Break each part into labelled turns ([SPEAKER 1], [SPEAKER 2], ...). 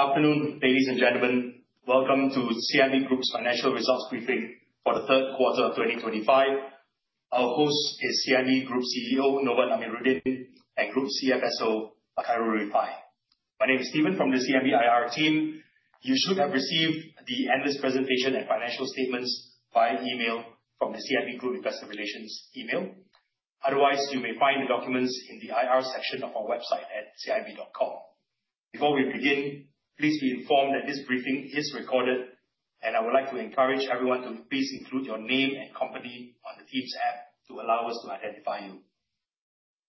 [SPEAKER 1] Afternoon, ladies and gentlemen. Welcome to CIMB Group's financial results briefing for the third quarter of 2025. Our host is CIMB Group CEO, Novan Amirudin, and Group CFSO, Khairul Rifaie. My name is Steven from the CIMB IR team. You should have received the analyst presentation and financial statements via email from the CIMB Group Investor Relations email. Otherwise, you may find the documents in the IR section of our website at cimb.com. Before we begin, please be informed that this briefing is recorded, and I would like to encourage everyone to please include your name and company on the Teams app to allow us to identify you.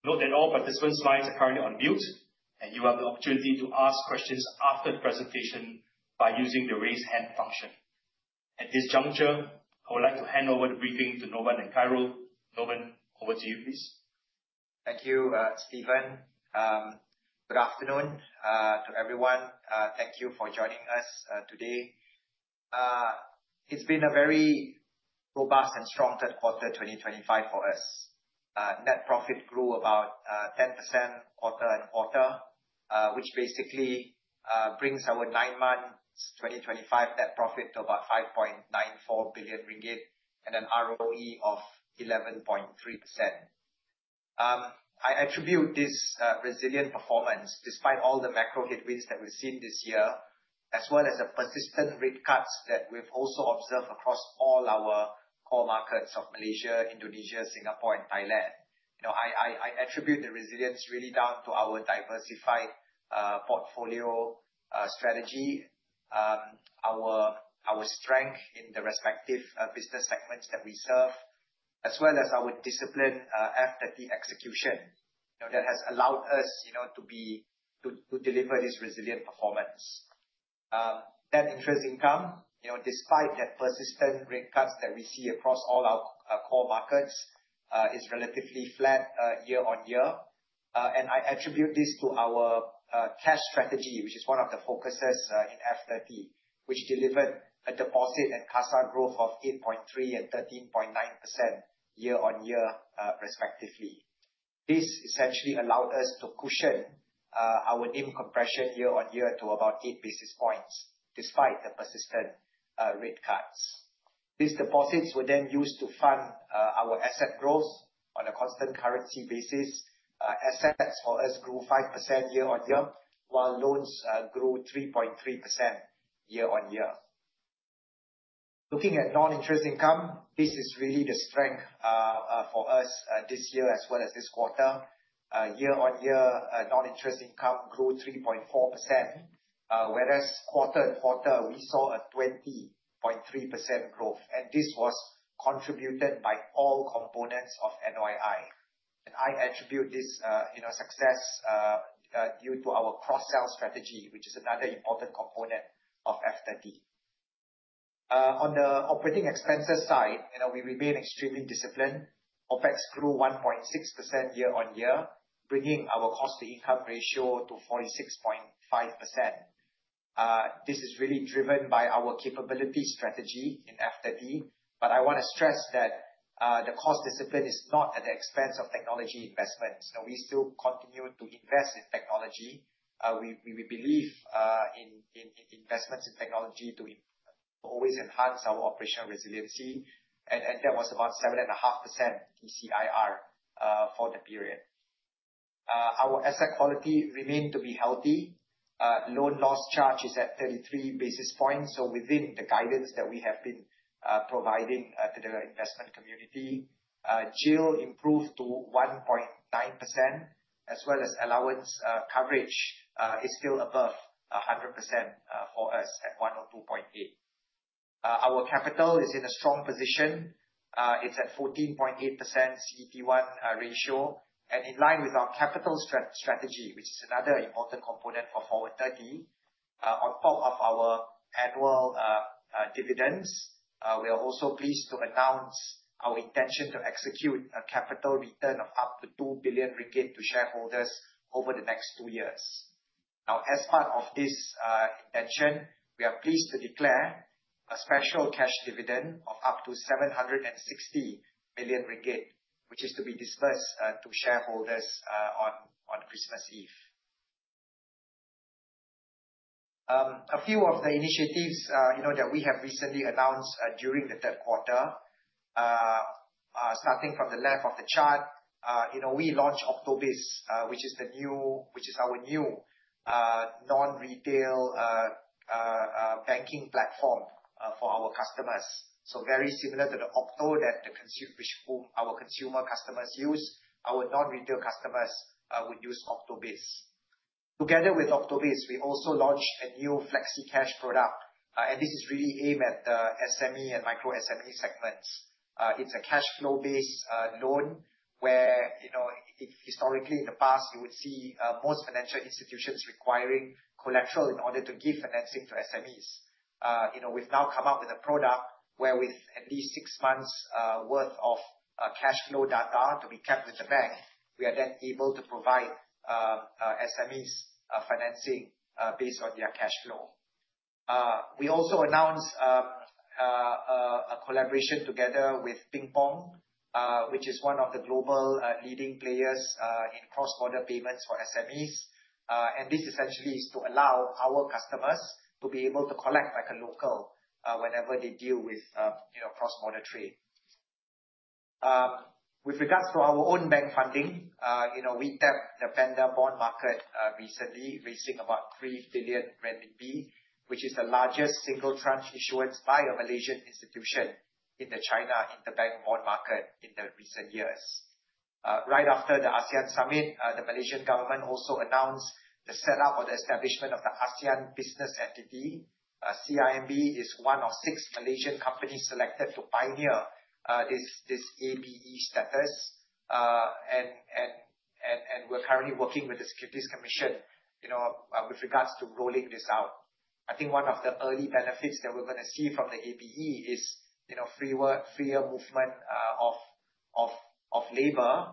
[SPEAKER 1] Note that all participant lines are currently on mute, and you have the opportunity to ask questions after the presentation by using the raise hand function. At this juncture, I would like to hand over the briefing to Novan and Khairul. Novan, over to you, please.
[SPEAKER 2] Thank you, Steven. Good afternoon, to everyone. Thank you for joining us today. It's been a very robust and strong third quarter 2025 for us. Net profit grew about 10% quarter-on-quarter, which basically brings our nine months 2025 net profit to about 5.94 billion ringgit, and an ROE of 11.3%. I attribute this resilient performance despite all the macro headwinds that we've seen this year, as well as the persistent rate cuts that we've also observed across all our core markets of Malaysia, Indonesia, Singapore, and Thailand. I attribute the resilience really down to our diversified portfolio strategy, our strength in the respective business segments that we serve, as well as our disciplined F30 execution. That has allowed us to deliver this resilient performance. Net interest income, despite that persistent rate cuts that we see across all our core markets, is relatively flat year-on-year. I attribute this to our CASA strategy, which is one of the focuses in F30, which delivered a deposit and CASA growth of 8.3% and 13.9% year-on-year, respectively. This essentially allowed us to cushion our NIM compression year-on-year to about eight basis points, despite the persistent rate cuts. These deposits were used to fund our asset growth on a constant currency basis. Assets for us grew 5% year-on-year, while loans grew 3.3% year-on-year. Looking at non-interest income, this is really the strength for us this year as well as this quarter. Year-on-year, non-interest income grew 3.4%, whereas quarter-on-quarter, we saw a 20.3% growth, and this was contributed by all components of NOI. I attribute this success due to our cross-sell strategy, which is another important component of F30. On the operating expenses side, we remain extremely disciplined. OPEX grew 1.6% year-on-year, bringing our cost-to-income ratio to 46.5%. This is really driven by our capability strategy in F30, but I want to stress that the cost discipline is not at the expense of technology investments. We still continue to invest in technology. We believe in investments in technology to always enhance our operational resiliency, that was about 7.5% TCIR for the period. Our asset quality remained to be healthy. Loan loss charge is at 33 basis points, so within the guidance that we have been providing to the investment community. GIL improved to 1.9%, as well as allowance coverage is still above 100% for us at 102.8%. Our capital is in a strong position. It's at 14.8% CET1 ratio. In line with our capital strategy, which is another important component for F30, on top of our annual dividends, we are also pleased to announce our intention to execute a capital return of up to 2 billion ringgit to shareholders over the next two years. As part of this intention, we are pleased to declare a special cash dividend of up to 760 million ringgit, which is to be disbursed to shareholders on Christmas Eve. A few of the initiatives that we have recently announced during the third quarter, starting from the left of the chart. We launched OCTO Biz, which is our new non-retail banking platform for our customers. Very similar to the OCTO that which our consumer customers use, our non-retail customers would use OCTO Biz. Together with OCTO Biz, we also launched a new FlexiCash product, this is really aimed at the SME and micro-SME segments. It's a cashflow-based loan where historically in the past you would see most financial institutions requiring collateral in order to give financing to SMEs. We've now come up with a product where with at least six months' worth of cash flow data to be kept with the bank, we are then able to provide SMEs financing based on their cash flow. We also announced a collaboration together with PingPong, which is one of the global leading players in cross-border payments for SMEs. This essentially is to allow our customers to be able to collect like a local whenever they deal with cross-border trade. With regards to our own bank funding, we tapped the Panda bond market recently, raising about 3 billion renminbi, which is the largest single tranche issuance by a Malaysian institution in the China interbank bond market in the recent years. Right after the ASEAN Summit, the Malaysian government also announced the setup or the establishment of the ASEAN Business Entity. CIMB is one of six Malaysian companies selected to pioneer this ABE status. We're currently working with the Securities Commission, with regards to rolling this out. I think one of the early benefits that we're going to see from the ABE is freer movement of labor,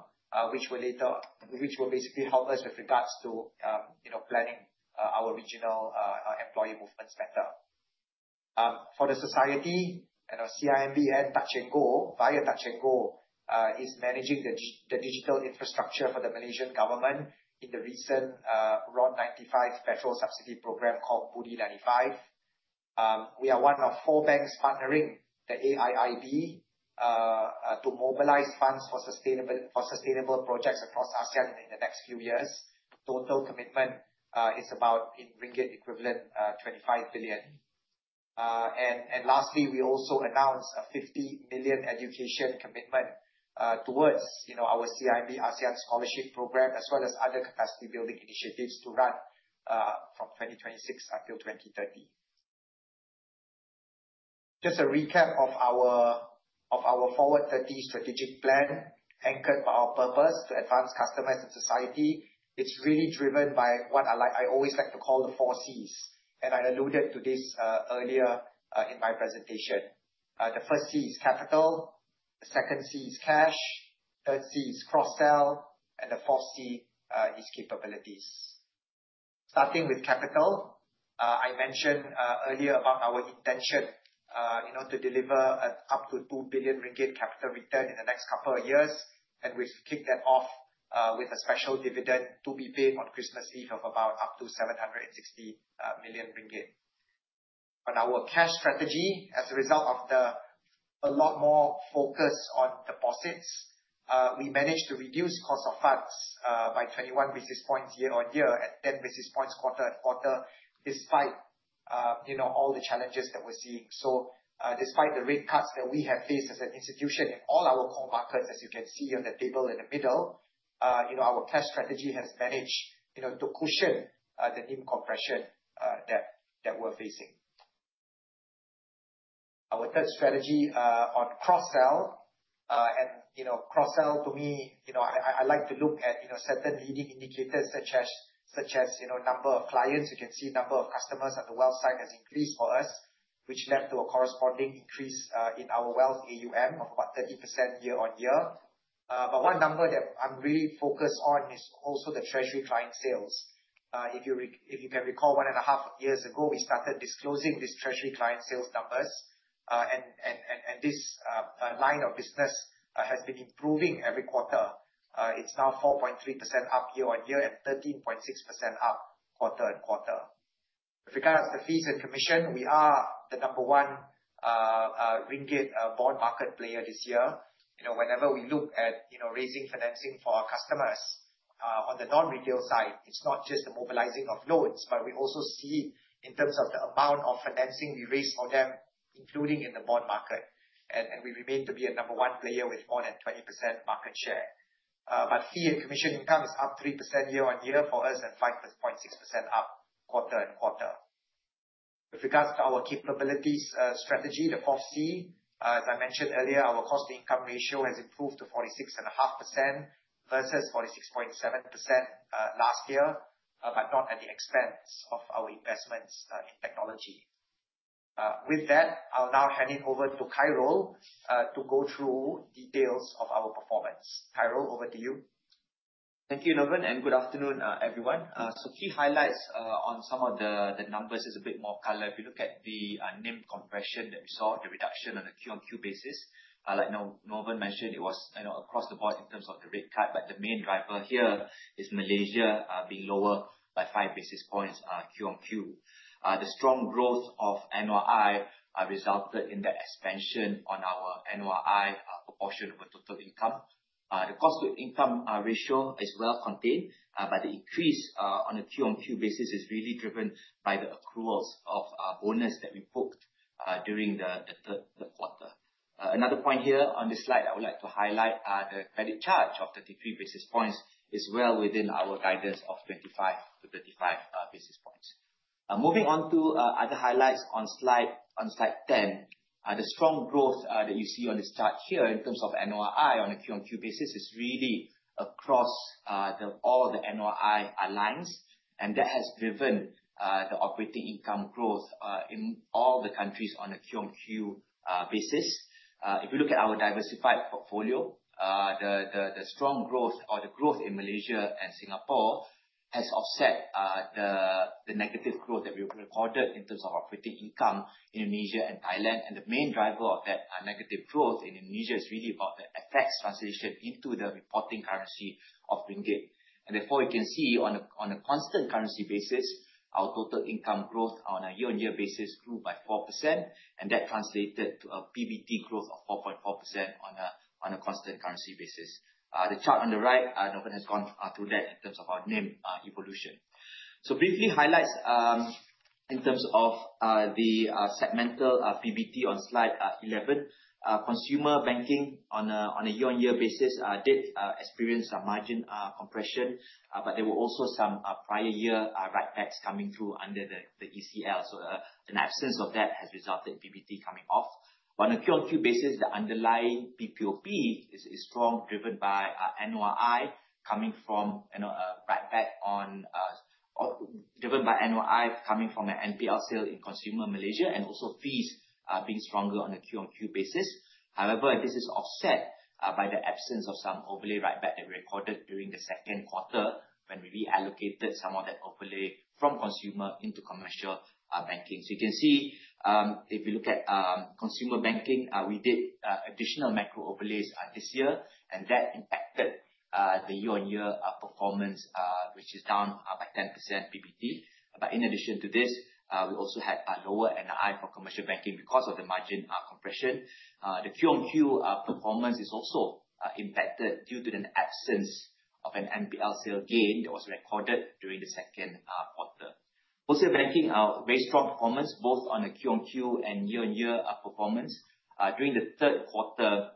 [SPEAKER 2] which will basically help us with regards to planning our regional employee movements better. For the society, CIMB, via Touch 'n Go, is managing the digital infrastructure for the Malaysian government in the recent RON95 petrol subsidy program called BUDI95. We are one of four banks partnering the AIIB to mobilize funds for sustainable projects across ASEAN in the next few years. Total commitment is about, in MYR equivalent, 25 billion ringgit. Lastly, we also announced a 50 million education commitment towards our CIMB ASEAN Scholarship program, as well as other capacity building initiatives to run from 2026 until 2030. Just a recap of our Forward30 strategic plan, anchored by our purpose to advance customers in society. It's really driven by what I always like to call the four Cs, I alluded to this earlier in my presentation. The first C is capital, the second C is cash, third C is cross-sell, and the fourth C is capabilities. Starting with capital, I mentioned earlier about our intention to deliver up to 2 billion ringgit capital return in the next couple of years, we've kicked that off with a special dividend to be paid on Christmas Eve of about up to 760 million ringgit. On our cash strategy, as a result of a lot more focus on deposits, we managed to reduce cost of funds by 21 basis points year-over-year, at 10 basis points quarter-over-quarter, despite all the challenges that we're seeing. Despite the rate cuts that we have faced as an institution in all our core markets, as you can see on the table in the middle, our cash strategy has managed to cushion the NIM compression that we're facing. Our third strategy on cross-sell, cross-sell to me, I like to look at certain leading indicators such as number of clients. You can see number of customers on the wealth side has increased for us, which led to a corresponding increase in our wealth AUM of about 30% year-over-year. One number that I'm really focused on is also the treasury client sales. If you can recall, one and a half years ago, we started disclosing these treasury client sales numbers. This line of business has been improving every quarter. It's now 4.3% up year-over-year and 13.6% up quarter-over-quarter. With regards to fees and commission, we are the number one MYR bond market player this year. Whenever we look at raising financing for our customers on the non-retail side, it's not just the mobilizing of loans, we also see in terms of the amount of financing we raise for them, including in the bond market, we remain to be a number one player with more than 20% market share. Fee and commission income is up 3% year-over-year for us and 5.6% up quarter-over-quarter. With regards to our capabilities strategy, the fourth C, as I mentioned earlier, our cost income ratio has improved to 46.5% versus 46.7% last year, but not at the expense of our investments in technology. With that, I'll now hand it over to Khairul to go through details of our performance. Khairul, over to you.
[SPEAKER 3] Thank you, Norvin, and good afternoon, everyone. Key highlights on some of the numbers, just a bit more color. If you look at the NIM compression that we saw, the reduction on a Q-on-Q basis, like Norvin mentioned, it was across the board in terms of the rate cut. The main driver here is Malaysia being lower by five basis points Q-on-Q. The strong growth of NOI resulted in the expansion on our NOI proportion of our total income. The cost-to-income ratio is well contained, but the increase on a Q-on-Q basis is really driven by the accruals of bonus that we booked during the third quarter. Another point here on this slide, I would like to highlight, are the credit charge of 33 basis points is well within our guidance of 25 basis points-35 basis points. Moving on to other highlights on slide 10. The strong growth that you see on this chart here in terms of NOI on a Q-on-Q basis is really across all the NOI lines, and that has driven the operating income growth in all the countries on a Q-on-Q basis. If you look at our diversified portfolio, the strong growth or the growth in Malaysia and Singapore has offset the negative growth that we recorded in terms of operating income, Indonesia and Thailand. The main driver of that negative growth in Indonesia is really about the effects translation into the reporting currency of Ringgit. Therefore, you can see on a constant currency basis, our total income growth on a year-on-year basis grew by 4%, and that translated to a PBT growth of 4.4% on a constant currency basis. The chart on the right, Novan has gone through that in terms of our NIM evolution. Briefly highlights, in terms of the segmental PBT on slide 11. Consumer banking on a year-on-year basis, did experience some margin compression, but there were also some prior year write-backs coming through under the ECL. In absence of that has resulted in PBT coming off. On a Q-on-Q basis, the underlying PPOP is strong, driven by NOI coming from a write-back, driven by NOI coming from an NPL sale in consumer Malaysia, and also fees being stronger on a Q-on-Q basis. This is offset by the absence of some overlay write-back that we recorded during the second quarter, when we reallocated some of that overlay from consumer into Commercial Banking. You can see, if you look at Consumer banking, we did additional macro overlays this year, that impacted the year-on-year performance, which is down by 10% PBT. In addition to this, we also had lower NII for Commercial Banking because of the margin compression. The Q-on-Q performance is also impacted due to the absence of an NPL sale gain that was recorded during the second quarter. Wholesale Banking, very strong performance both on a Q-on-Q and year-on-year outperformance during the third quarter,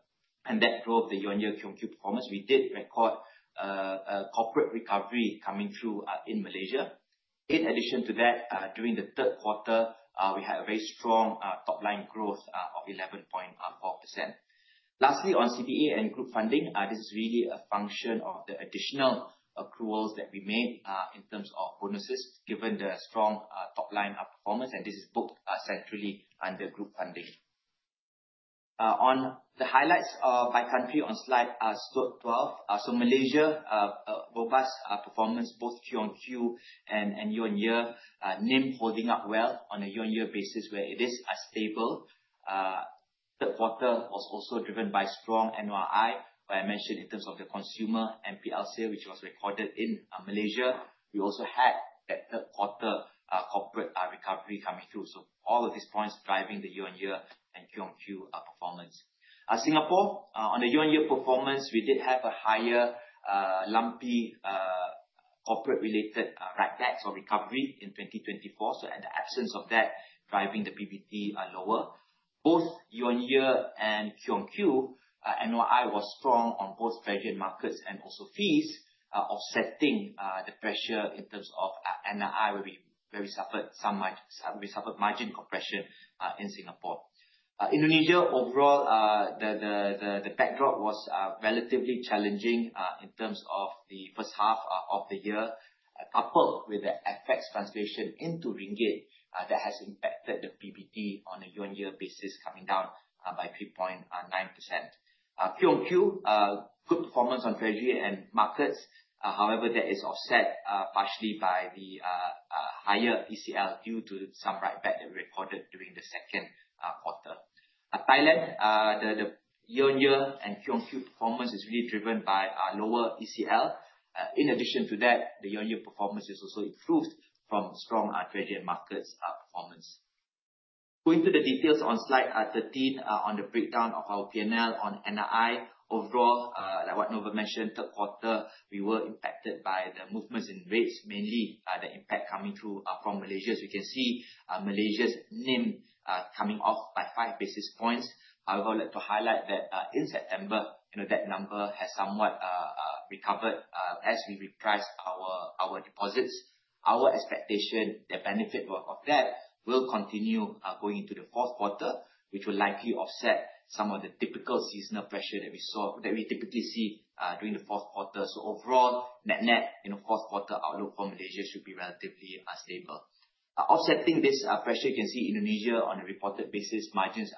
[SPEAKER 3] that drove the year-on-year, Q-on-Q performance. We did record a corporate recovery coming through in Malaysia. In addition to that, during the third quarter, we had a very strong top-line growth of 11.4%. Lastly, on CBE and group funding, this is really a function of the additional accruals that we made, in terms of bonuses, given the strong top-line outperformance, and this is booked centrally under group funding. On the highlights by country on slide 12. Malaysia, robust performance both quarter-on-quarter and year-on-year. NIM holding up well on a year-on-year basis where it is stable. Third quarter was also driven by strong NOI, where I mentioned in terms of the consumer NPL sale, which was recorded in Malaysia. We also had that third quarter corporate recovery coming through. All of these points driving the year-on-year and quarter-on-quarter outperformance. Singapore, on a year-on-year performance, we did have a higher lumpy, corporate related write-backs or recovery in 2024. In the absence of that, driving the PBT lower. Both year-on-year and quarter-on-quarter, NOI was strong on both treasury and markets, and also fees offsetting the pressure in terms of NII, where we suffered margin compression in Singapore. Indonesia, overall, the backdrop was relatively challenging in terms of the first half of the year, coupled with the FX translation into MYR that has impacted the PBT on a year-on-year basis, coming down by 3.9%. Quarter-on-quarter, good performance on treasury and markets. However, that is offset partially by the higher ECL due to some write-back that we recorded during the second quarter. Thailand, the year-on-year and quarter-on-quarter performance is really driven by lower ECL. In addition to that, the year-on-year performance is also improved from strong treasury and markets outperformance. Going to the details on slide 13, on the breakdown of our P&L on NII. Overall, like what Novan mentioned, third quarter, we were impacted by the movements in rates, mainly the impact coming through from Malaysia. You can see Malaysia's NIM coming off by five basis points. However, I'd like to highlight that in September, that number has somewhat recovered as we reprice our deposits. Our expectation, the benefit of that will continue going into the fourth quarter, which will likely offset some of the typical seasonal pressure that we typically see during the fourth quarter. Overall, net net, fourth quarter outlook for Malaysia should be relatively stable. Offsetting this pressure, you can see Indonesia on a reported basis, margins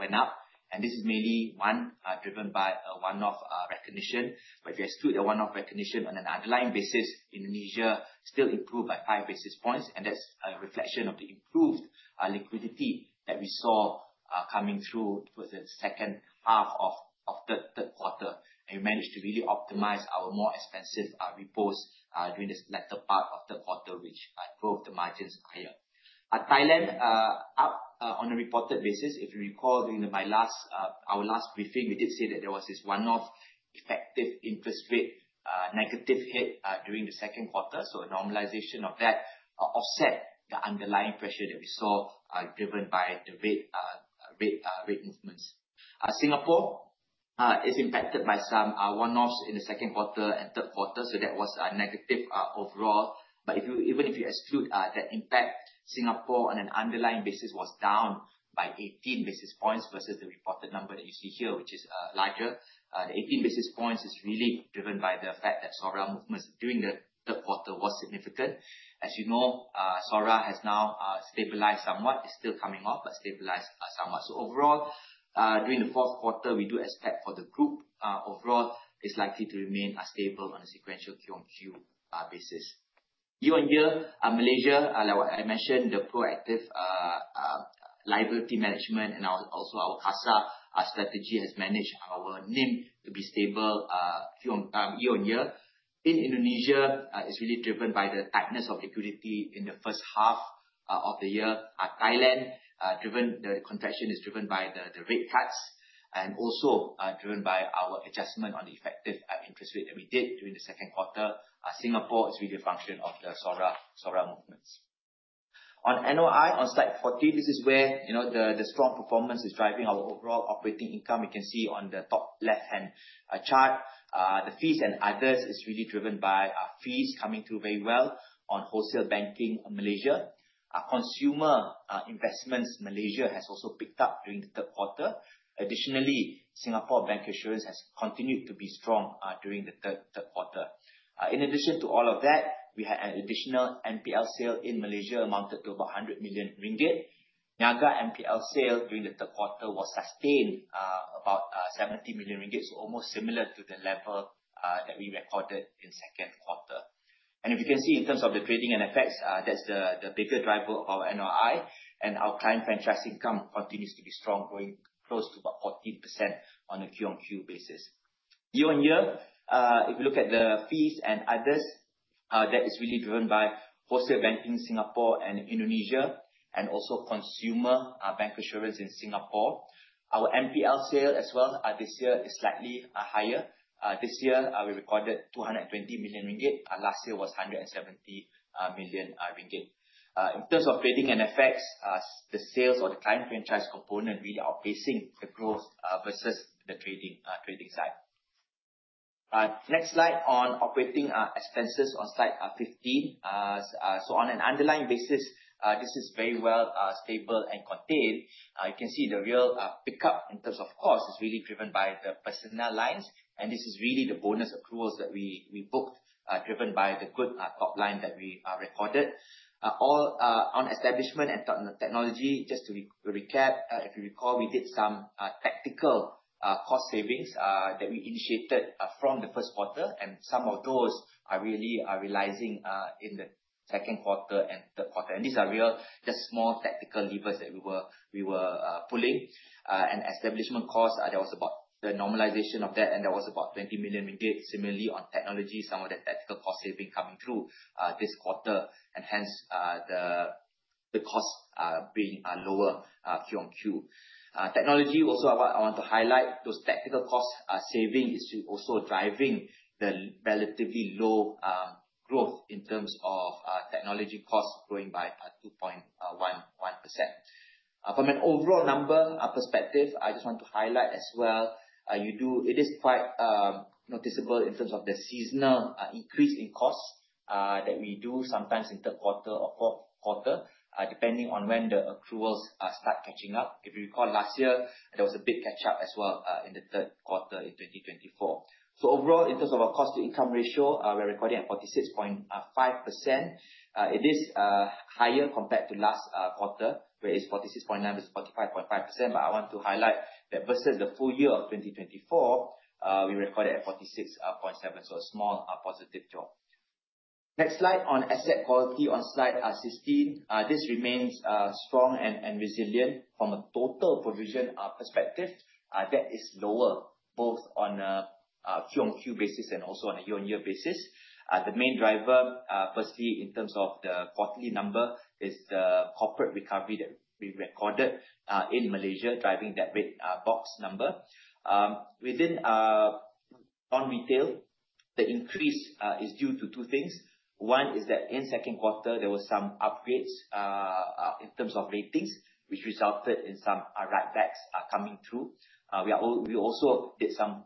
[SPEAKER 3] went up, and this is mainly, one, driven by a one-off recognition. If you exclude the one-off recognition on an underlying basis, Indonesia still improved by five basis points, and that's a reflection of the improved liquidity that we saw coming through towards the second half of the third quarter. We managed to really optimize our more expensive repos during this latter part of the quarter, which drove the margins higher. Thailand, up on a reported basis. If you recall during our last briefing, we did say that there was this one-off effective interest rate negative hit during the second quarter. A normalization of that offset the underlying pressure that we saw, driven by the rate instruments. Singapore is impacted by some one-offs in the second quarter and third quarter. That was negative overall. Even if you exclude that impact, Singapore on an underlying basis was down by 18 basis points versus the reported number that you see here, which is larger. The 18 basis points is really driven by the effect that SORA movements during the third quarter was significant. As you know, SORA has now stabilized somewhat. It's still coming off, but stabilized somewhat. Overall, during the fourth quarter, we do expect for the group overall, it's likely to remain stable on a sequential Q-on-Q basis. Year-on-year, Malaysia, like I mentioned, the proactive Liability management and also our CASA strategy has managed our NIM to be stable year-on-year. In Indonesia, it's really driven by the tightness of liquidity in the first half of the year. Thailand, the contraction is driven by the rate cuts and also driven by our adjustment on the effective interest rate that we did during the second quarter. Singapore is really a function of the SORA movements. On NOI, on slide 43, this is where the strong performance is driving our overall operating income. You can see on the top left-hand chart, the fees and others is really driven by fees coming through very well on wholesale banking in Malaysia. Consumer investments, Malaysia has also picked up during the third quarter. Additionally, Singapore bank insurance has continued to be strong during the third quarter. In addition to all of that, we had an additional NPL sale in Malaysia amounted to about 100 million ringgit. Niaga NPL sale during the third quarter was sustained about 70 million ringgit, so almost similar to the level that we recorded in second quarter. If you can see in terms of the trading and FX, that's the bigger driver of our NOI, and our client franchise income continues to be strong, growing close to about 14% on a Q-on-Q basis. Year-on-year, if you look at the fees and others, that is really driven by wholesale banking, Singapore and Indonesia, and also consumer bank insurance in Singapore. Our NPL sale as well this year is slightly higher. This year, we recorded 220 million ringgit. Last year was 170 million ringgit. In terms of trading and effects, the sales or the client franchise component really outpacing the growth versus the trading side. Next slide on operating expenses on slide 15. On an underlying basis, this is very well stable and contained. You can see the real pickup in terms of cost is really driven by the personnel lines, and this is really the bonus accruals that we booked, driven by the good top line that we recorded. On establishment and technology, just to recap, if you recall, we did some tactical cost savings that we initiated from the first quarter, and some of those are really realizing in the second quarter and third quarter. These are real, just small tactical levers that we were pulling, and establishment costs, the normalization of that, and that was about 20 million ringgit. Similarly, on technology, some of the tactical costs have been coming through this quarter, and hence the cost being lower Q-on-Q. Technology, also, I want to highlight those tactical cost saving is also driving the relatively low growth in terms of technology costs growing by 2.1%. From an overall number perspective, I just want to highlight as well, it is quite noticeable in terms of the seasonal increase in costs that we do sometimes in third quarter or fourth quarter, depending on when the accruals start catching up. If you recall, last year, there was a big catch-up as well in the third quarter in 2024. Overall, in terms of our cost-to-income ratio, we're recording at 46.5%. It is higher compared to last quarter, where it's 46.9 versus 45.5%, but I want to highlight that versus the full year of 2024, we recorded at 46.7%, a small positive jump. Next slide on asset quality on slide 16. This remains strong and resilient from a total provision perspective that is lower both on a quarter-on-quarter basis and also on a year-on-year basis. The main driver, firstly, in terms of the quarterly number, is the corporate recovery that we recorded in Malaysia, driving that red box number. On retail, the increase is due to two things. One is that in second quarter, there were some upgrades, in terms of ratings, which resulted in some write-backs coming through. We also did some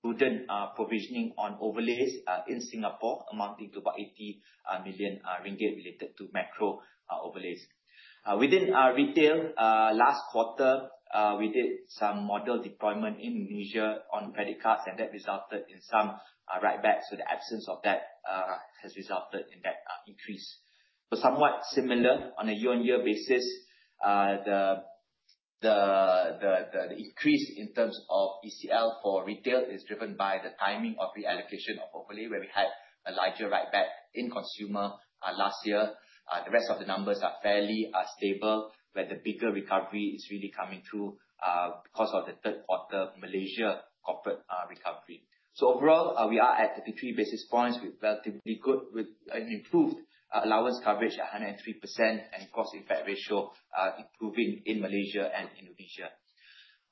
[SPEAKER 3] prudent provisioning on overlays in Singapore, amounting to about 80 million ringgit related to macro overlays. Within our retail last quarter, we did some model deployment in Indonesia on credit cards, and that resulted in some write-backs, so the absence of that has resulted in that increase. Somewhat similar on a year-on-year basis, the increase in terms of ECL for retail is driven by the timing of reallocation of overlay, where we had a larger write-back in consumer last year. The rest of the numbers are fairly stable, where the bigger recovery is really coming through, because of the third quarter Malaysia corporate recovery. Overall, we are at 53 basis points with relatively good, with an improved allowance coverage, 103%, and cost effect ratio improving in Malaysia and Indonesia.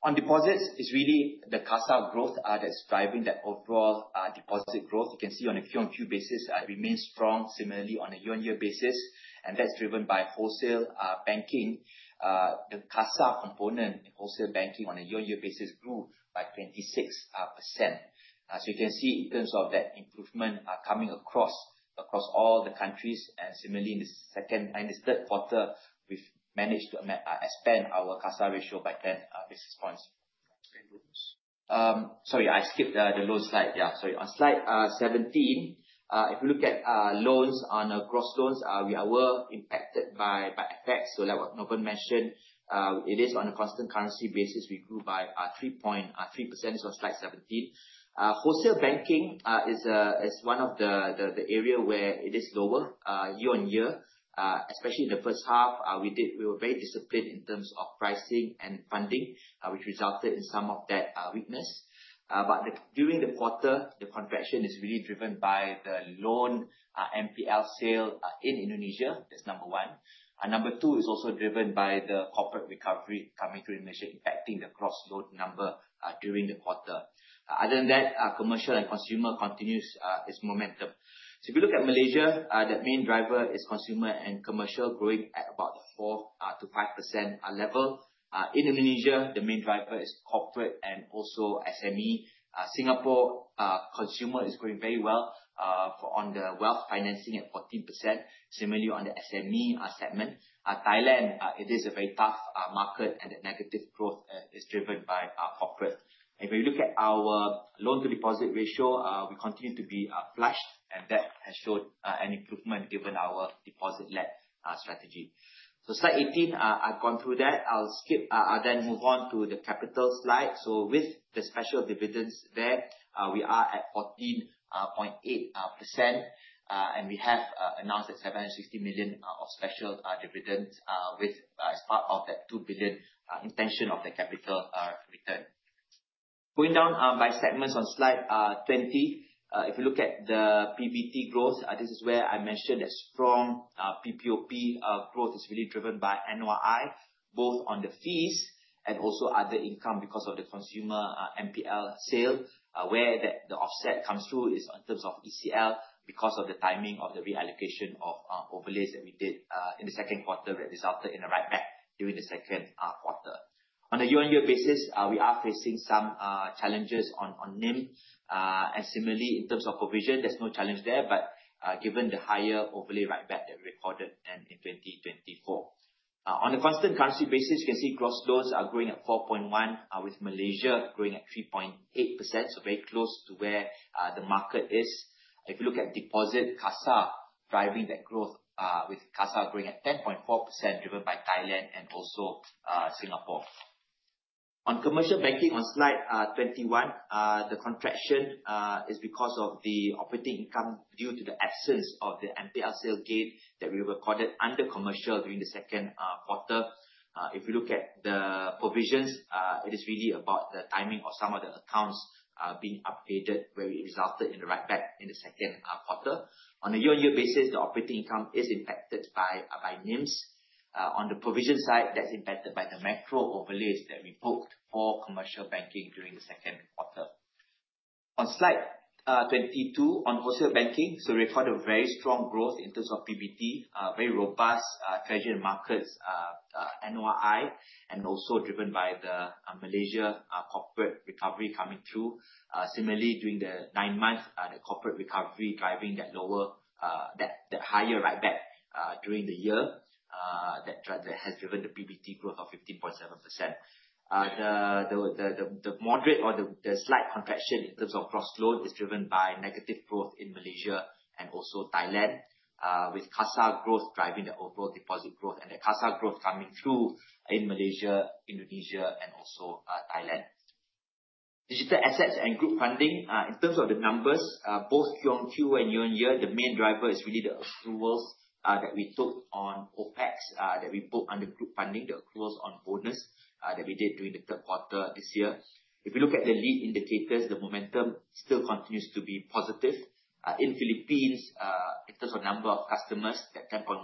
[SPEAKER 3] On deposits, it's really the CASA growth that's driving that overall deposit growth. You can see on a quarter-on-quarter basis, it remains strong. Similarly, on a year-on-year basis, and that's driven by wholesale banking. The CASA component in wholesale banking on a year-on-year basis grew by 26%. You can see in terms of that improvement coming across all the countries, and similarly in the third quarter, we've managed to expand our CASA ratio by 10 basis points. Sorry, I skipped the loan slide. Yeah, sorry. On Slide 17, if you look at loans on a gross loans, we are well impacted by effects. Like what Norbin mentioned, it is on a constant currency basis, we grew by 3.3%, it's on Slide 17. Wholesale banking is one of the area where it is lower year-on-year, especially in the first half, we were very disciplined in terms of pricing and funding, which resulted in some of that weakness. During the quarter, the contraction is really driven by the loan NPL sale in Indonesia, that's number one. Number two is also driven by the corporate recovery coming through Indonesia, impacting the gross loan number, during the quarter. Other than that, commercial and consumer continues its momentum. If you look at Malaysia, the main driver is consumer and commercial growth at about 4%-5% level. In Indonesia, the main driver is corporate and also SME. Singapore consumer is growing very well, on the wealth financing at 14%. Similarly, on the SME segment. Thailand, it is a very tough market and the negative growth is driven by corporate. If you look at our loan-to-deposit ratio, that has showed an improvement given our deposit-led strategy. Slide 18, I've gone through that. I'll move on to the capital slide. With the special dividends there, we are at 14.8%. We have announced the 760 million of special dividends as part of that 2 billion intention of the capital return. Going down by segments on Slide 20, if you look at the PBT growth, this is where I mentioned a strong PPOP growth is really driven by NOI, both on the fees and also other income because of the consumer NPL sale, where the offset comes through is in terms of ECL, because of the timing of the reallocation of overlays that we did in the second quarter that resulted in a write-back during the second quarter. On a year-on-year basis, we are facing some challenges on NIM. Similarly, in terms of provision, there's no challenge there, given the higher overlay write-back that we recorded in 2024. On a constant currency basis, you can see gross loans are growing at 4.1%, with Malaysia growing at 3.8%. Very close to where the market is. If you look at deposit, CASA driving that growth, with CASA growing at 10.4%, driven by Thailand and also Singapore. On commercial banking on Slide 21, the contraction is because of the operating income due to the absence of the NPL sales gain that we recorded under commercial during the second quarter. If you look at the provisions, it is really about the timing of some of the accounts being updated, where it resulted in a write-back in the second quarter. On a year-on-year basis, the operating income is impacted by NIMs. On the provision side, that's impacted by the macro overlays that we booked for commercial banking during the second quarter. On Slide 22, on wholesale banking, we recorded a very strong growth in terms of PBT, very robust treasury markets, NOI. Also driven by the Malaysia corporate recovery coming through. Similarly, during the nine months, the corporate recovery driving that higher write-back during the year, that has driven the PBT growth of 15.7%. The moderate or the slight contraction in terms of gross loan is driven by negative growth in Malaysia and also Thailand, with CASA growth driving the overall deposit growth. The CASA growth coming through in Malaysia, Indonesia, and also Thailand. Digital assets and group funding, in terms of the numbers, both Q on Q and year-on-year, the main driver is really the accruals that we took on OPEX, that we booked under group funding, the accruals on bonus that we did during the third quarter this year. If you look at the lead indicators, the momentum still continues to be positive. In Philippines, in terms of number of customers, that 10.1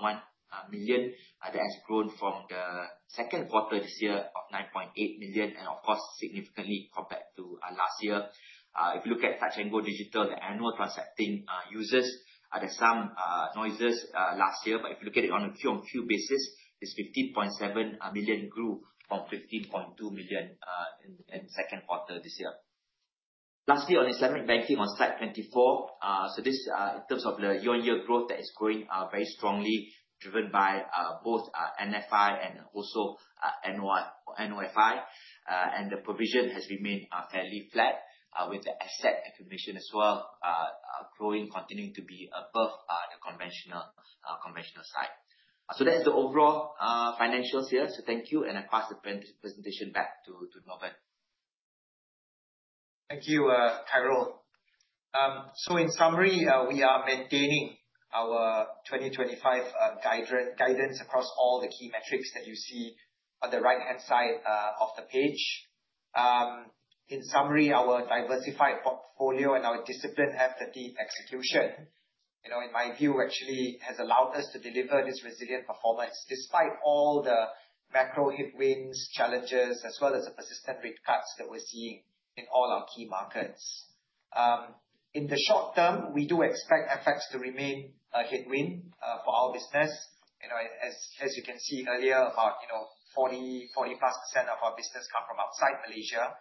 [SPEAKER 3] million, that has grown from the second quarter this year of 9.8 million, and of course, significantly compared to last year. If you look at Touch 'n Go Digital, the annual transacting users, there's some noises last year, but if you look at it on a Q on Q basis, it's 15.7 million grew from 15.2 million in second quarter this year. Lastly, on Islamic banking on Slide 24, in terms of the year-on-year growth, that is growing very strongly, driven by both NFI and also NOFI. The provision has remained fairly flat, with the asset acquisition as well, growing, continuing to be above the conventional side. That is the overall financials here. Thank you, and I pass the presentation back to Novan.
[SPEAKER 2] Thank you, Khairul. In summary, we are maintaining our 2025 guidance across all the key metrics that you see on the right-hand side of the page. In summary, our diversified portfolio and our disciplined path of the execution, in my view, actually has allowed us to deliver this resilient performance, despite all the macro headwinds, challenges, as well as the persistent rate cuts that we're seeing in all our key markets. In the short term, we do expect FX to remain a headwind for our business. As you can see earlier, about 40+% of our business come from outside Malaysia.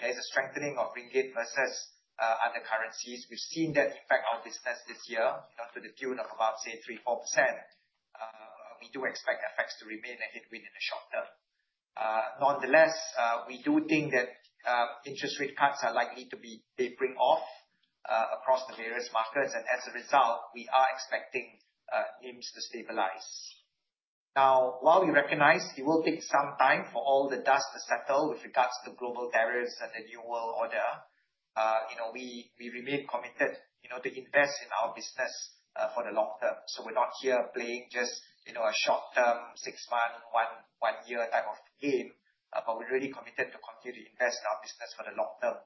[SPEAKER 2] There's a strengthening of ringgit versus other currencies. We've seen that affect our business this year to the tune of about, say, 3%-4%. We do expect FX to remain a headwind in the short term. Nonetheless, we do think that interest rate cuts are likely to be tapering off across the various markets, and as a result, we are expecting NIMs to stabilize. While we recognize it will take some time for all the dust to settle with regards to global barriers and the new world order, we remain committed to invest in our business for the long term. We're not here playing just a short-term, six-month, one-year type of game, but we're really committed to continue to invest in our business for the long term,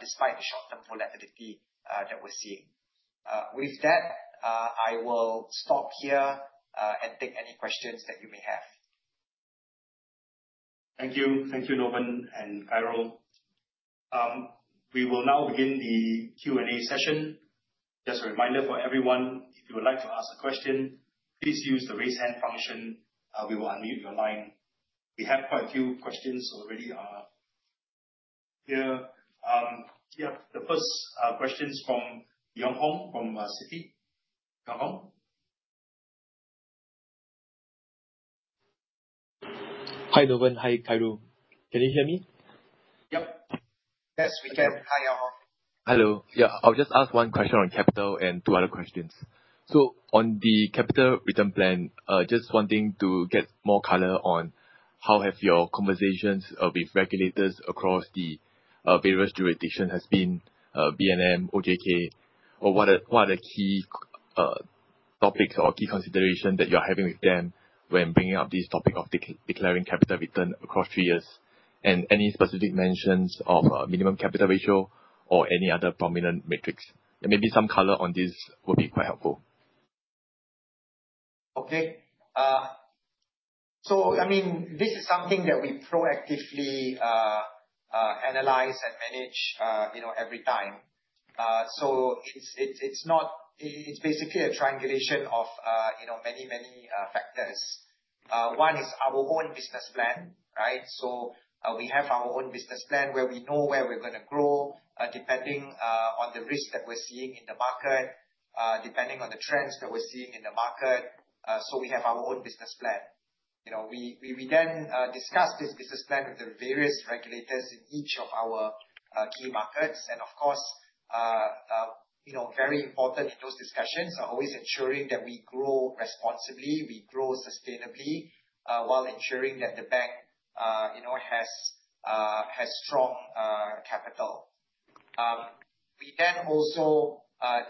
[SPEAKER 2] despite the short-term volatility that we're seeing. With that, I will stop here, and take any questions that you may have.
[SPEAKER 1] Thank you. Thank you, Novan and Khairul. We will now begin the Q&A session. Just a reminder for everyone, if you would like to ask a question, please use the raise hand function. We will unmute your line. We have quite a few questions already here. The first question is from Yong Hong from Citi. Yong Hong?
[SPEAKER 4] Hi, Novan. Hi, Khairul. Can you hear me?
[SPEAKER 1] Yep.
[SPEAKER 2] Yes, we can. Hi, Yong Hong.
[SPEAKER 4] Hello. I'll just ask one question on capital and two other questions. On the capital return plan, just wanting to get more color on how have your conversations with regulators across the various jurisdictions has been, BNM, OJK, or what are the key topics or key consideration that you're having with them when bringing up this topic of declaring capital return across three years? Any specific mentions of minimum capital ratio or any other prominent metrics? Maybe some color on this would be quite helpful.
[SPEAKER 2] Okay. This is something that we proactively analyze and manage every time. It's basically a triangulation of many, many factors. One is our own business plan, right? We have our own business plan where we know where we're going to grow, depending on the risk that we're seeing in the market, depending on the trends that we're seeing in the market. We have our own business plan. We then discuss this business plan with the various regulators in each of our key markets. Of course, very important in those discussions are always ensuring that we grow responsibly, we grow sustainably, while ensuring that the bank has strong capital. We then also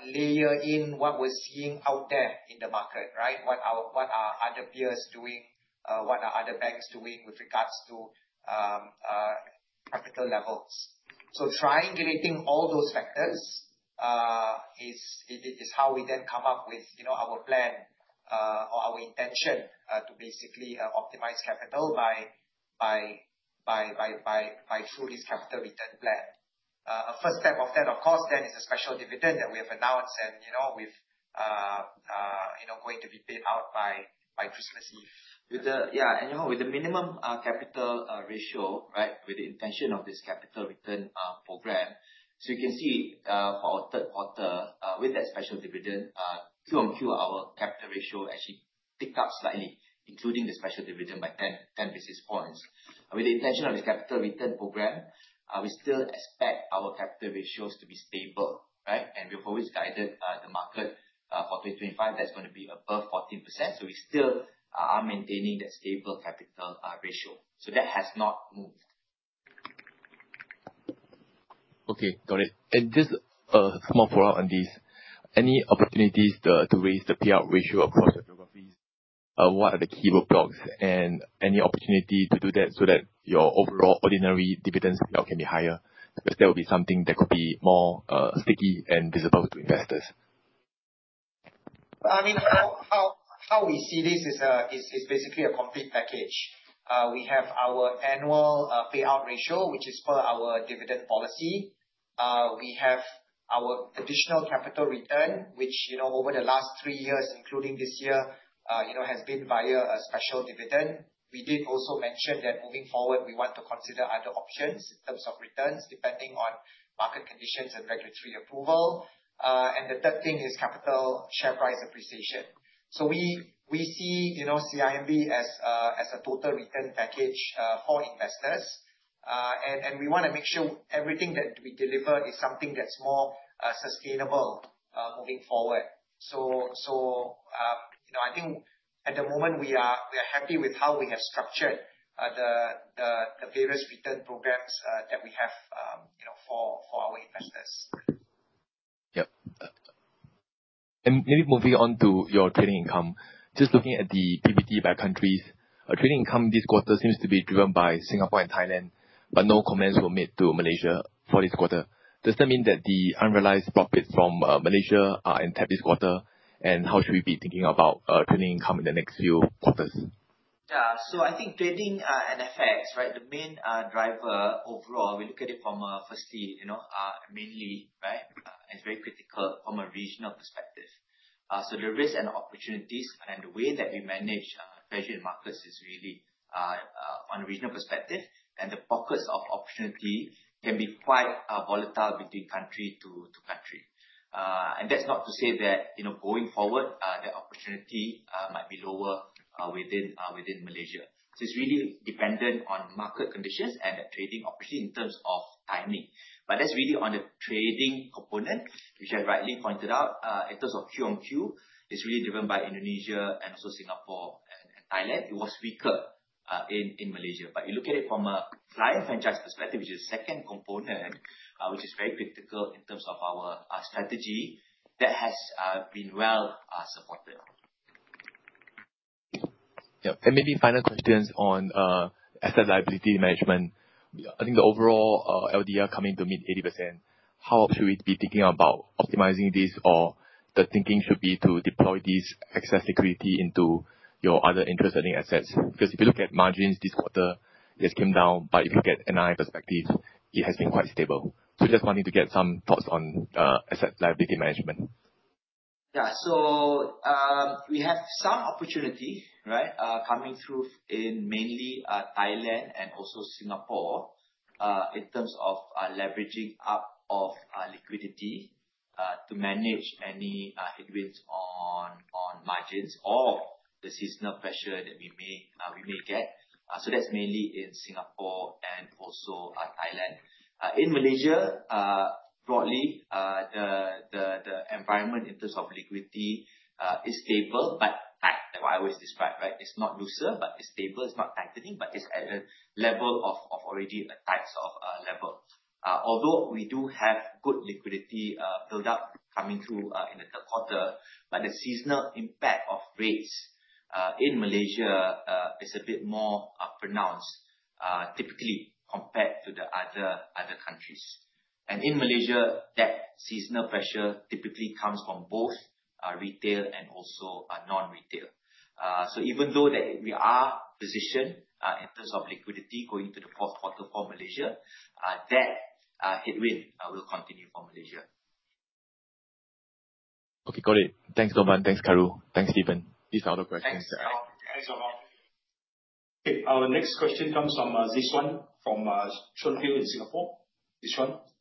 [SPEAKER 2] layer in what we're seeing out there in the market, right? What are other peers doing? What are other banks doing with regards to capital levels? Triangulating all those factors is how we come up with our plan, or our intention, to basically optimize capital through this capital return plan. A first step of that, of course, is a special dividend that we have announced, and going to be paid out by Christmas Eve.
[SPEAKER 3] With the minimum capital ratio, with the intention of this capital return program. You can see for our third quarter, with that special dividend, Q on Q, our capital ratio actually ticked up slightly, including the special dividend by 10 basis points. With the intention of the capital return program, we still expect our capital ratios to be stable, right? We've always guided the market for 2025, that's going to be above 14%. We still are maintaining that stable capital ratio. That has not moved.
[SPEAKER 4] Okay, got it. Just a small follow-up on this. Any opportunities to raise the payout ratio across the geographies? What are the key roadblocks, any opportunity to do that so that your overall ordinary dividends payout can be higher? That would be something that could be more sticky and visible to investors.
[SPEAKER 2] How we see this is basically a complete package. We have our annual payout ratio, which is per our dividend policy. We have our additional capital return, which, over the last three years, including this year, has been via a special dividend. We did also mention that moving forward, we want to consider other options in terms of returns, depending on market conditions and regulatory approval. The third thing is capital share price appreciation. We see CIMB as a total return package for investors. We want to make sure everything that we deliver is something that's more sustainable moving forward. I think at the moment, we are happy with how we have structured the various return programs that we have for our investors.
[SPEAKER 4] Yep. Maybe moving on to your trading income, just looking at the PBT by countries. Trading income this quarter seems to be driven by Singapore and Thailand, but no comments were made to Malaysia for this quarter. Does that mean that the unrealized profits from Malaysia are intact this quarter? How should we be thinking about trading income in the next few quarters?
[SPEAKER 2] Yeah. I think trading and FX, the main driver overall, we look at it from a, firstly, mainly, it's very critical from a regional perspective. The risk and opportunities, the way that we manage our treasury markets is really on a regional perspective, the pockets of opportunity can be quite volatile between country to country. That's not to say that going forward, the opportunity might be lower within Malaysia. It's really dependent on market conditions and the trading opportunity in terms of.
[SPEAKER 3] Timing. That's really on the trading component, which I rightly pointed out, in terms of Q on Q, it's really driven by Indonesia and also Singapore and Thailand. It was weaker in Malaysia. You look at it from a client franchise perspective, which is the second component, which is very critical in terms of our strategy, that has been well supported.
[SPEAKER 4] Yeah. Maybe final questions on asset liability management. I think the overall, LDR coming to mid 80%, how should we be thinking about optimizing this? The thinking should be to deploy this excess security into your other interest-earning assets. Because if you look at margins this quarter, it has come down, but if you look at NII perspective, it has been quite stable. Just wanting to get some thoughts on asset liability management.
[SPEAKER 3] Yeah. We have some opportunity, coming through in mainly Thailand and also Singapore, in terms of leveraging up of liquidity, to manage any headwinds on margins or the seasonal pressure that we may get. That's mainly in Singapore and also Thailand. In Malaysia, broadly, the environment in terms of liquidity is stable, but tight as I always describe. It's not looser, but it's stable. It's not tightening, but it's at a level of already a tight level. Although we do have good liquidity build-up coming through in the third quarter, but the seasonal impact of rates, in Malaysia, is a bit more pronounced, typically compared to the other countries. In Malaysia, that seasonal pressure typically comes from both retail and also non-retail. Even though that we are positioned, in terms of liquidity going into the fourth quarter for Malaysia, that headwind will continue for Malaysia.
[SPEAKER 4] Okay, got it. Thanks, Novan. Thanks, Khairul. Thanks, Steven. These are all the questions.
[SPEAKER 3] Thanks.
[SPEAKER 1] Thanks a lot. Our next question comes from Zixuan, from Shunhe in Singapore. Zixuan? Zixuan, are you there?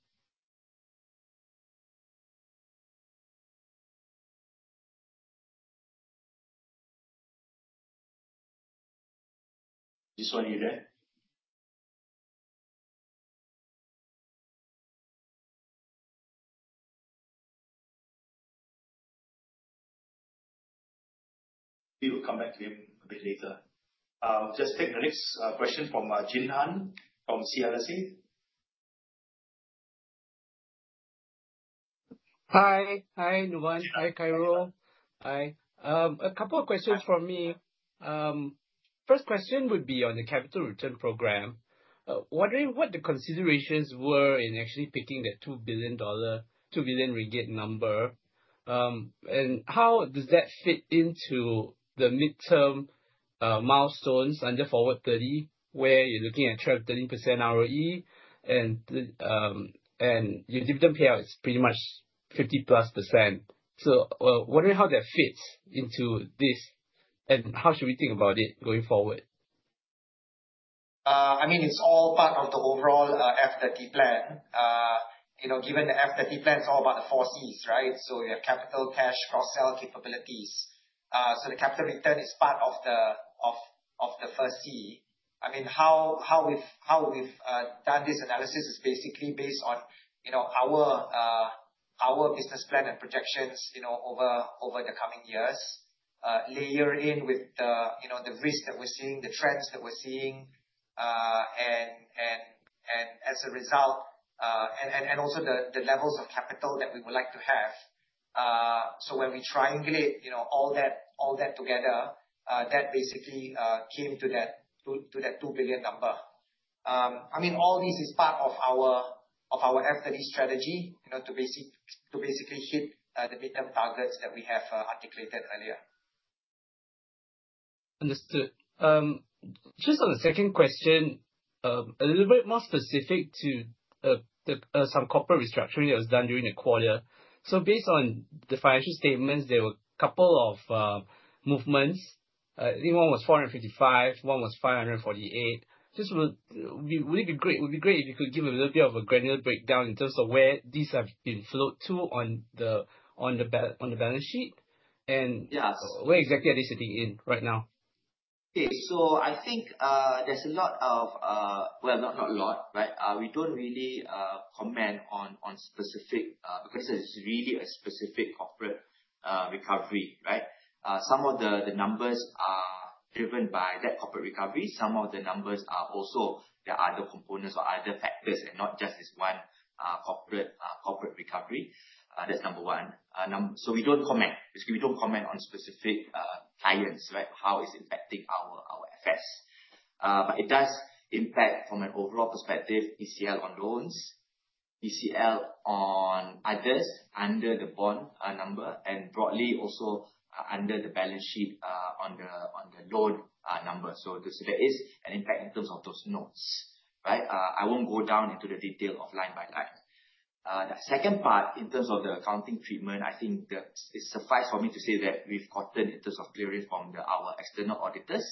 [SPEAKER 1] We will come back to him a bit later. I'll just take the next question from Jinhan, from CLSA.
[SPEAKER 5] Hi. Hi, Novan. Hi, Khairul. Hi. A couple of questions from me. First question would be on the capital return program. Wondering what the considerations were in actually picking that MYR 2 billion, 2 billion ringgit number. How does that fit into the midterm milestones under Forward30, where you're looking at 12%-13% ROE, and your dividend payout is pretty much 50-plus %. Wondering how that fits into this, and how should we think about it going forward?
[SPEAKER 3] It's all part of the overall F30 plan. Given the F30 plan's all about the four Cs, right? You have capital, cash, cross-sell, capabilities. The capital return is part of the first C. How we've done this analysis is basically based on our business plan and projections over the coming years, layer in with the risk that we're seeing, the trends that we're seeing, and as a result, and also the levels of capital that we would like to have. When we triangulate all that together, that basically came to that 2 billion number. All this is part of our F30 strategy, to basically hit the midterm targets that we have articulated earlier.
[SPEAKER 5] Understood. Just on the second question, a little bit more specific to some corporate restructuring that was done during the quarter. Based on the financial statements, there were a couple of movements. I think one was 455, one was 548. It would be great if you could give a little bit of a granular breakdown in terms of where these have been flowed to on the balance sheet.
[SPEAKER 3] Yes.
[SPEAKER 5] Where exactly are they sitting in right now?
[SPEAKER 3] Okay. Well, not a lot. We don't really comment on specific, because it's really a specific corporate recovery. Some of the numbers are driven by that corporate recovery. Some of the numbers are also, there are other components or other factors, and not just this one corporate recovery. That's number 1. We don't comment. Basically, we don't comment on specific clients, how it's impacting our effects. It does impact from an overall perspective, ECL on loans, ECL on others under the bond number, and broadly also under the balance sheet, on the loan number. There is an impact in terms of those notes. I won't go down into the detail of line by line. The second part, in terms of the accounting treatment, I think it suffice for me to say that we've gotten in terms of clearance from our external auditors,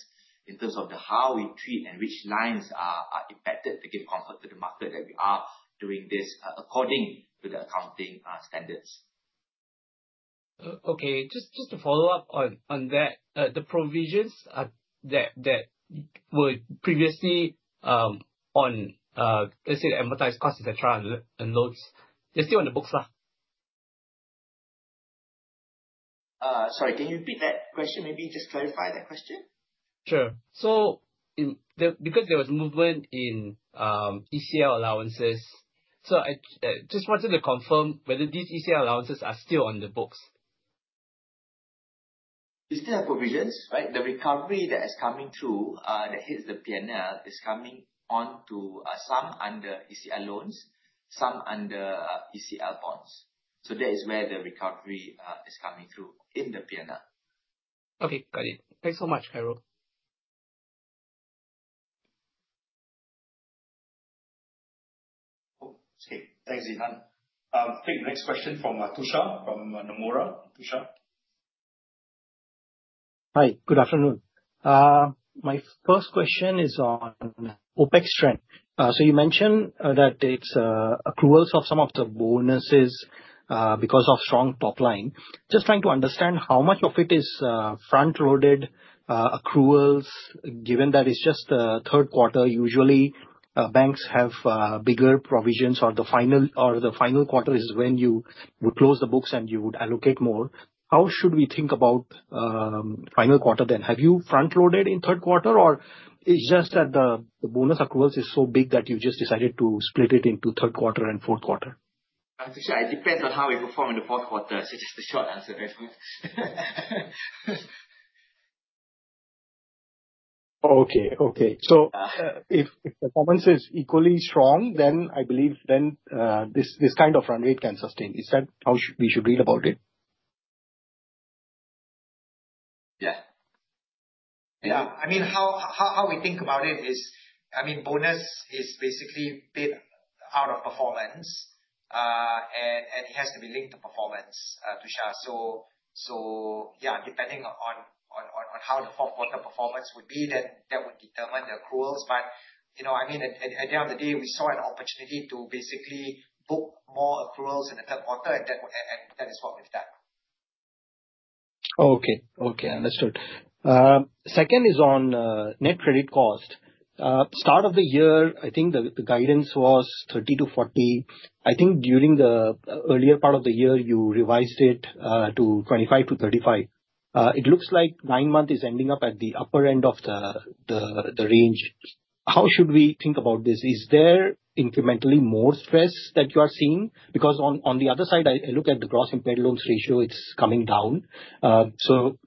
[SPEAKER 3] in terms of how we treat and which lines are impacted to give comfort to the market that we are doing this according to the accounting standards.
[SPEAKER 5] Okay, just to follow up on that, the provisions that were previously on, let's say, the amortized costs, et cetera, and loans, they're still on the books?
[SPEAKER 3] Sorry, can you repeat that question? Maybe just clarify that question.
[SPEAKER 5] Sure. Because there was movement in ECL allowances, so I just wanted to confirm whether these ECL allowances are still on the books.
[SPEAKER 3] We still have provisions, right? The recovery that is coming through, that hits the P&L is coming on to some under ECL loans, some under ECL bonds. That is where the recovery is coming through in the P&L.
[SPEAKER 5] Okay, got it. Thanks so much, Khairul.
[SPEAKER 1] Okay. Thanks, Zixuan. Take the next question from Tushar from Nomura. Tushar?
[SPEAKER 6] Hi, good afternoon. My first question is on OpEx trend. You mentioned that it's accruals of some of the bonuses because of strong top line. Just trying to understand how much of it is front-loaded accruals, given that it's just the third quarter, usually, banks have bigger provisions or the final quarter is when you would close the books, and you would allocate more. How should we think about final quarter, then? Have you front-loaded in third quarter, or it's just that the bonus accruals is so big that you just decided to split it into third quarter and fourth quarter?
[SPEAKER 3] Tushar, it depends on how we perform in the fourth quarter. Just the short answer is
[SPEAKER 6] Okay. If performance is equally strong, I believe then this kind of run rate can sustain. Is that how we should read about it?
[SPEAKER 3] Yeah.
[SPEAKER 6] Yeah.
[SPEAKER 3] How we think about it is, bonus is basically paid out of performance, and it has to be linked to performance, Tushar. Depending on how the fourth quarter performance would be, then that would determine the accruals. At the end of the day, we saw an opportunity to basically book more accruals in the third quarter, and that is what we've done.
[SPEAKER 6] Okay. Understood. Second is on net credit cost. Start of the year, I think the guidance was 30%-40%. I think during the earlier part of the year, you revised it to 25%-35%. It looks like 9 months is ending up at the upper end of the range. How should we think about this? Is there incrementally more stress that you are seeing? Because on the other side, I look at the gross impaired loans ratio, it's coming down.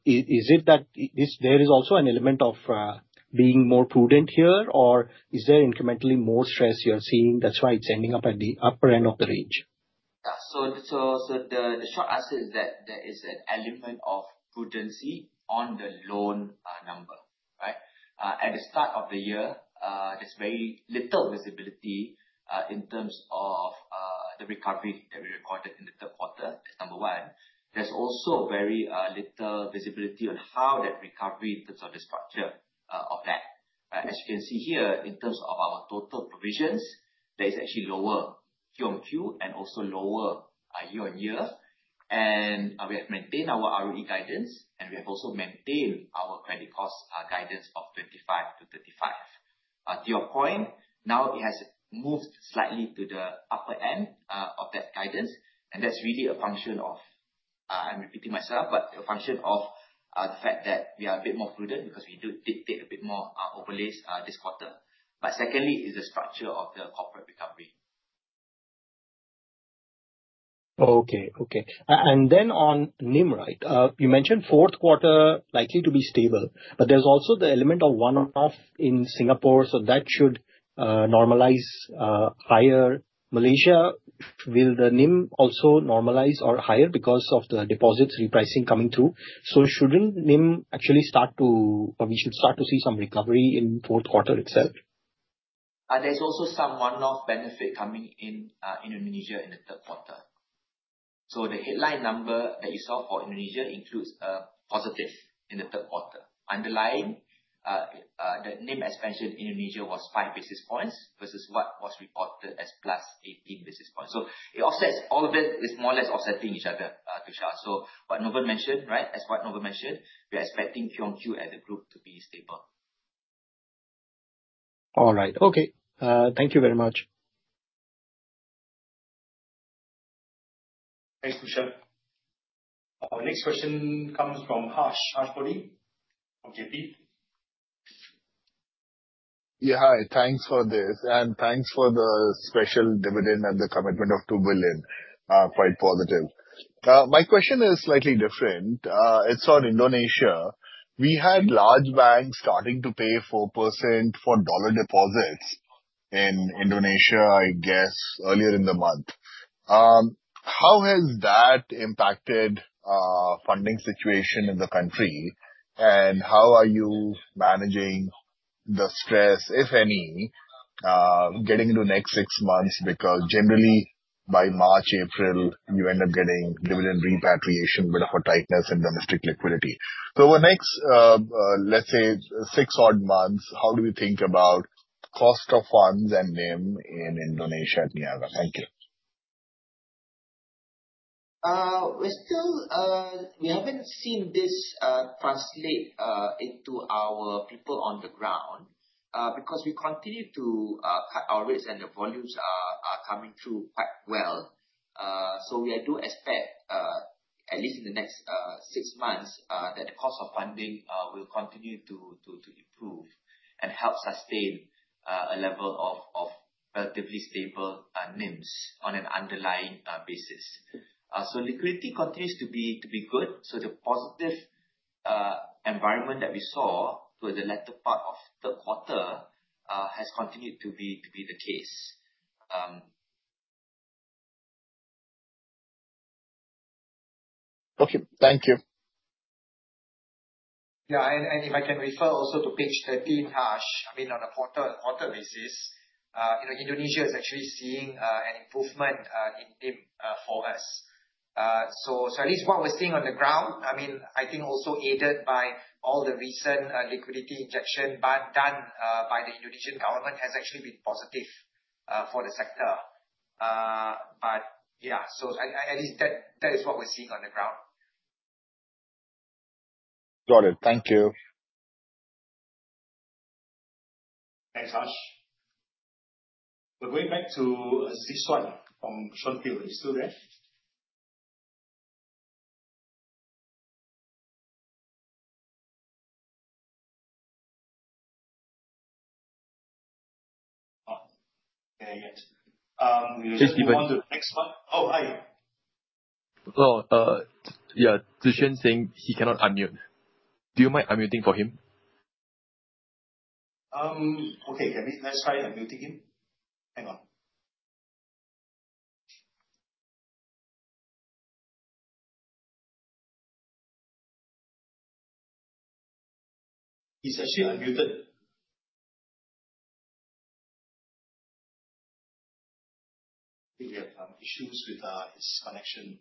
[SPEAKER 6] Is it that there is also an element of being more prudent here, or is there incrementally more stress you're seeing, that's why it's ending up at the upper end of the range?
[SPEAKER 3] Yeah. The short answer is that there is an element of prudency on the loan number. At the start of the year, there's very little visibility in terms of the recovery that we recorded in the third quarter. That's number one. There's also very little visibility on how that recovery in terms of the structure of that. As you can see here, in terms of our total provisions, that is actually lower quarter-on-quarter and also lower year-on-year. We have maintained our ROE guidance, and we have also maintained our credit cost guidance of 25-35. To your point, now it has moved slightly to the upper end of that guidance, and that's really a function of, I'm repeating myself, but a function of the fact that we are a bit more prudent because we did take a bit more overlays this quarter. Secondly, is the structure of the corporate recovery.
[SPEAKER 6] Okay. Then on NIM, you mentioned fourth quarter likely to be stable, but there's also the element of one-off in Singapore, so that should normalize higher Malaysia. Will the NIM also normalize or higher because of the deposits repricing coming through? Shouldn't NIM actually start to, or we should start to see some recovery in fourth quarter itself?
[SPEAKER 3] There's also some one-off benefit coming in Indonesia in the third quarter. The headline number that you saw for Indonesia includes a positive in the third quarter. Underlying, the NIM expansion Indonesia was five basis points versus what was reported as +18 basis points. All of that is more or less offsetting each other, Tushar. As what Novel mentioned, we're expecting quarter-on-quarter as a group to be stable.
[SPEAKER 6] All right. Okay. Thank you very much.
[SPEAKER 3] Thanks, Tushar. Our next question comes from Harsh Puri of J.P. Morgan.
[SPEAKER 7] Hi. Thanks for this, and thanks for the special dividend and the commitment of 2 billion, quite positive. My question is slightly different. It's on Indonesia. We had large banks starting to pay 4% for dollar deposits in Indonesia, I guess, earlier in the month. How has that impacted funding situation in the country, and how are you managing the stress, if any, getting into next six months? Generally, by March, April, you end up getting dividend repatriation, bit of a tightness in domestic liquidity. Over the next, let's say six odd months, how do we think about Cost of funds and NIM in Indonesia, and beyond. Thank you.
[SPEAKER 3] We haven't seen this translate into our people on the ground because we continue to cut our rates, and the volumes are coming through quite well. We do expect, at least in the next six months, that the cost of funding will continue to improve and help sustain a level of relatively stable NIMs on an underlying basis. Liquidity continues to be good. The positive environment that we saw toward the latter part of the quarter has continued to be the case.
[SPEAKER 7] Okay. Thank you.
[SPEAKER 2] If I can refer also to page 13, Harsh. On a quarter basis, Indonesia is actually seeing an improvement in NIM for us. At least what we're seeing on the ground, I think also aided by all the recent liquidity injection done by the Indonesian government, has actually been positive for the sector. At least that is what we're seeing on the ground.
[SPEAKER 7] Got it. Thank you.
[SPEAKER 1] Thanks, Harsh. We're going back to Zeeshan from Shaw and Hill. Are you still there? Okay, yes. We'll just move on to the next one. Hi.
[SPEAKER 4] Hello. Yeah, Zeeshan saying he cannot unmute. Do you mind unmuting for him?
[SPEAKER 1] Let's try unmuting him. Hang on. He's actually unmuted. I think we have issues with his connection.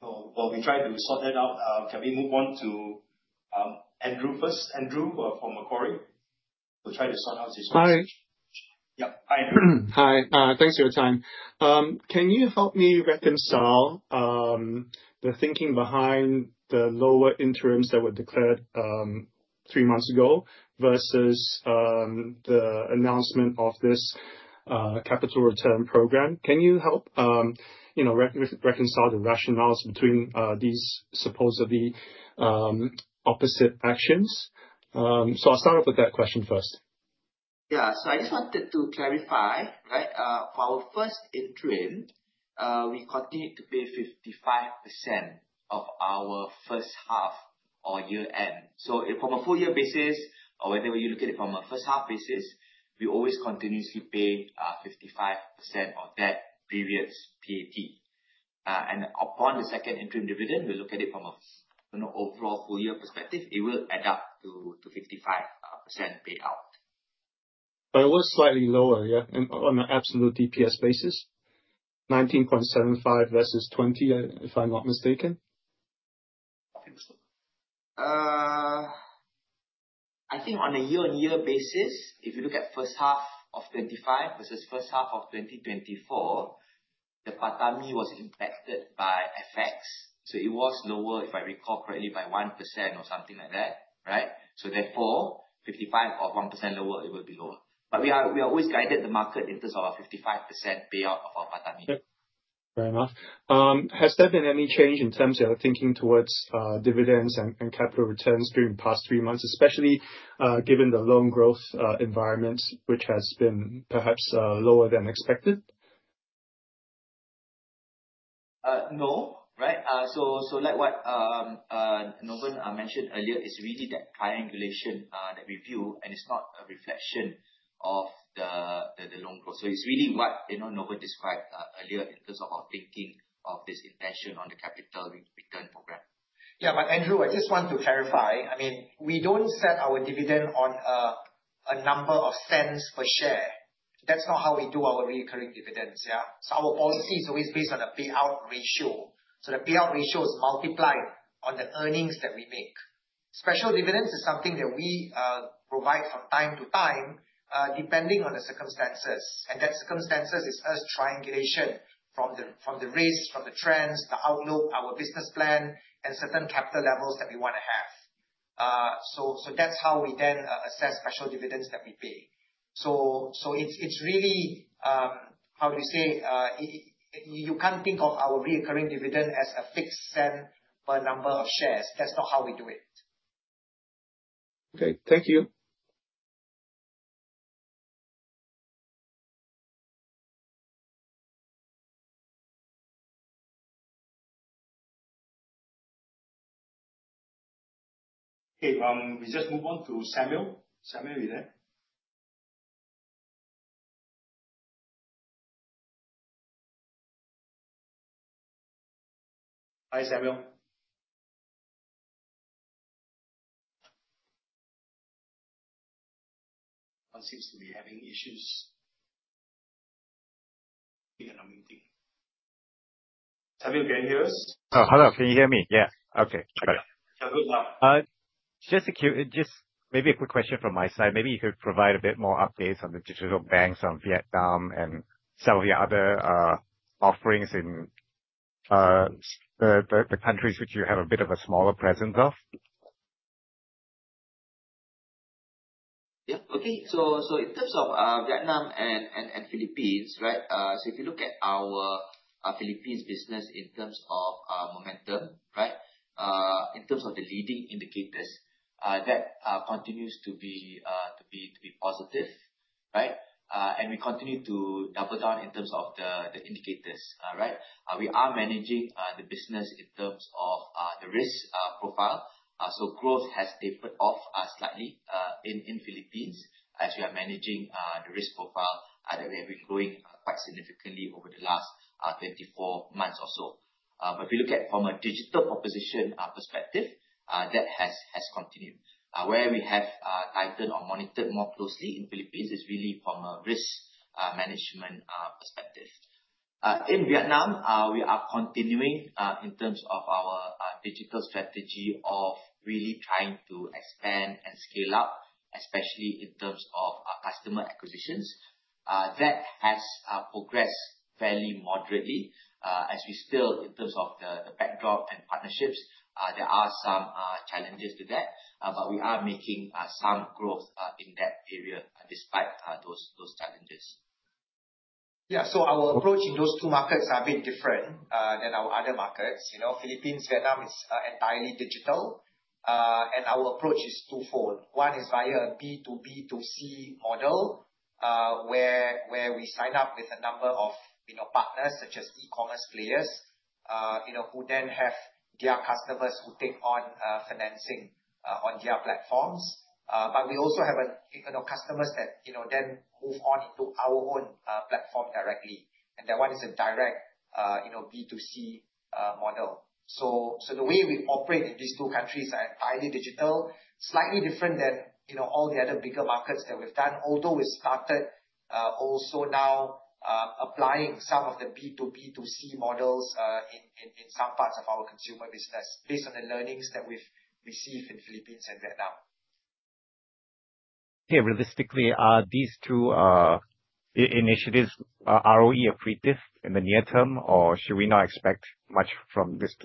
[SPEAKER 1] While we try to sort that out, can we move on to Andrew first? Andrew from Macquarie. We'll try to sort out Zeeshan.
[SPEAKER 8] Hi.
[SPEAKER 1] Yep. Hi, Andrew.
[SPEAKER 8] Hi. Thanks for your time. Can you help me reconcile the thinking behind the lower interims that were declared three months ago versus the announcement of this capital return program? Can you help reconcile the rationales between these supposedly opposite actions? I'll start off with that question first.
[SPEAKER 3] Yeah. I just wanted to clarify. For our first interim, we continued to pay 55% of our first half or year-end. From a full year basis or whether you look at it from a first-half basis, we always continuously pay 55% of that previous PAT. Upon the second interim dividend, we look at it from an overall full-year perspective, it will add up to 55% payout.
[SPEAKER 8] It was slightly lower, yeah, on an absolute DPS basis, 19.75 versus 20, if I'm not mistaken.
[SPEAKER 1] I think so.
[SPEAKER 3] I think on a year-on-year basis, if you look at first half of 2025 versus first half of 2024, the PATAMI was impacted by effects. It was lower, if I recall correctly, by 1% or something like that. Right. Therefore, 55 or 1% lower, it would be lower. We always guided the market in terms of our 55% payout of our PATAMI.
[SPEAKER 8] Yep. Fair enough. Has there been any change in terms of thinking towards dividends and capital returns during the past three months, especially given the loan growth environment, which has been perhaps lower than expected?
[SPEAKER 3] No. Like what Novan mentioned earlier, it's really that triangulation, that review, and it's not a reflection of the loan growth. It's really what Novan described earlier in terms of our thinking of this intention on the capital return program.
[SPEAKER 1] Yeah, Andrew, I just want to clarify. We don't set our dividend on a number of cents per share. That's not how we do our recurring dividends, yeah. Our policy is always based on a payout ratio. The payout ratio is multiplied on the earnings that we make. Special dividends is something that we provide from time to time, depending on the circumstances. That circumstances is us triangulation from the rates, from the trends, the outlook, our business plan, and certain capital levels that we want to have. That's how we then assess special dividends that we pay. It's really, how do you say, you can't think of our recurring dividend as a fixed cent per number of shares. That's not how we do it.
[SPEAKER 8] Okay. Thank you.
[SPEAKER 1] Okay. We just move on to Samuel. Samuel, are you there? Hi, Samuel.
[SPEAKER 3] Seems to be having issues. Are you in our meeting? Samuel, can you hear us?
[SPEAKER 9] Oh, hello. Can you hear me? Yeah. Okay, great.
[SPEAKER 3] Yeah.
[SPEAKER 9] Just maybe a quick question from my side. Maybe you could provide a bit more updates on the digital banks of Vietnam and some of your other offerings in the countries which you have a bit of a smaller presence of.
[SPEAKER 3] Yeah, okay. In terms of Vietnam and Philippines, right? If you look at our Philippines business in terms of our momentum, in terms of the leading indicators, that continues to be positive. Right? We continue to double down in terms of the indicators. We are managing the business in terms of the risk profile. Growth has tapered off slightly in Philippines as we are managing the risk profile that we've been growing quite significantly over the last 24 months or so. If you look at from a digital proposition perspective, that has continued. Where we have tightened or monitored more closely in Philippines is really from a risk management perspective. In Vietnam, we are continuing in terms of our digital strategy of really trying to expand and scale up, especially in terms of our customer acquisitions. That has progressed fairly moderately, as we still, in terms of the backdrop and partnerships, there are some challenges to that. We are making some growth in that area despite those challenges.
[SPEAKER 2] Yeah, our approach in those two markets are a bit different than our other markets. Philippines, Vietnam is entirely digital. Our approach is twofold. One is via a B2B2C model, where we sign up with a number of partners, such as e-commerce players, who then have their customers who take on financing on their platforms. We also have customers that then move on into our own platform directly, and that one is a direct B2C model. The way we operate in these two countries are entirely digital. Slightly different than all the other bigger markets that we've done, although we've started also now applying some of the B2B2C models in some parts of our consumer business, based on the learnings that we've received in Philippines and Vietnam.
[SPEAKER 9] Okay, realistically, are these two initiatives ROE accretive in the near term, or should we not expect much from this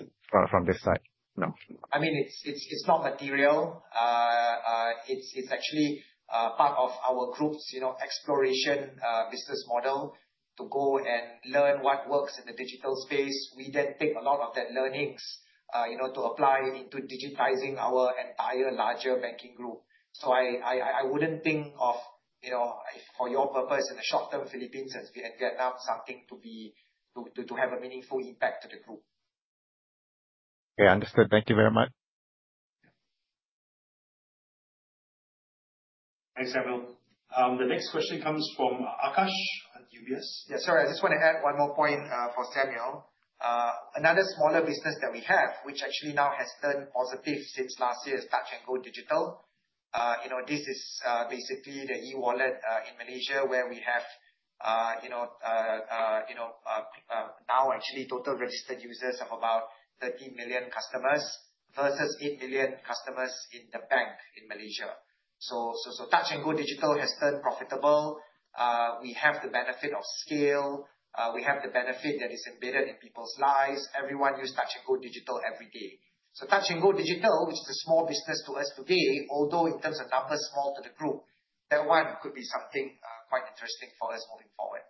[SPEAKER 9] side? No.
[SPEAKER 2] It's not material. It's actually part of our group's exploration business model to go and learn what works in the digital space. We then take a lot of that learnings to apply into digitizing our entire larger banking group. I wouldn't think of, for your purpose in the short term, Philippines as Vietnam, something to have a meaningful impact to the group.
[SPEAKER 9] Okay, understood. Thank you very much.
[SPEAKER 1] Yeah. Thanks, Samuel. The next question comes from Akash at UBS.
[SPEAKER 2] Yeah, sorry, I just want to add one more point for Samuel. Another smaller business that we have, which actually now has turned positive since last year, is Touch 'n Go Digital. This is basically the e-wallet in Malaysia, where we have now actually total registered users of about 30 million customers versus eight million customers in the bank in Malaysia. Touch 'n Go Digital has turned profitable. We have the benefit of scale. We have the benefit that is embedded in people's lives. Everyone use Touch 'n Go Digital every day. Touch 'n Go Digital, which is a small business to us today, although in terms of numbers small to the group, that one could be something quite interesting for us moving forward.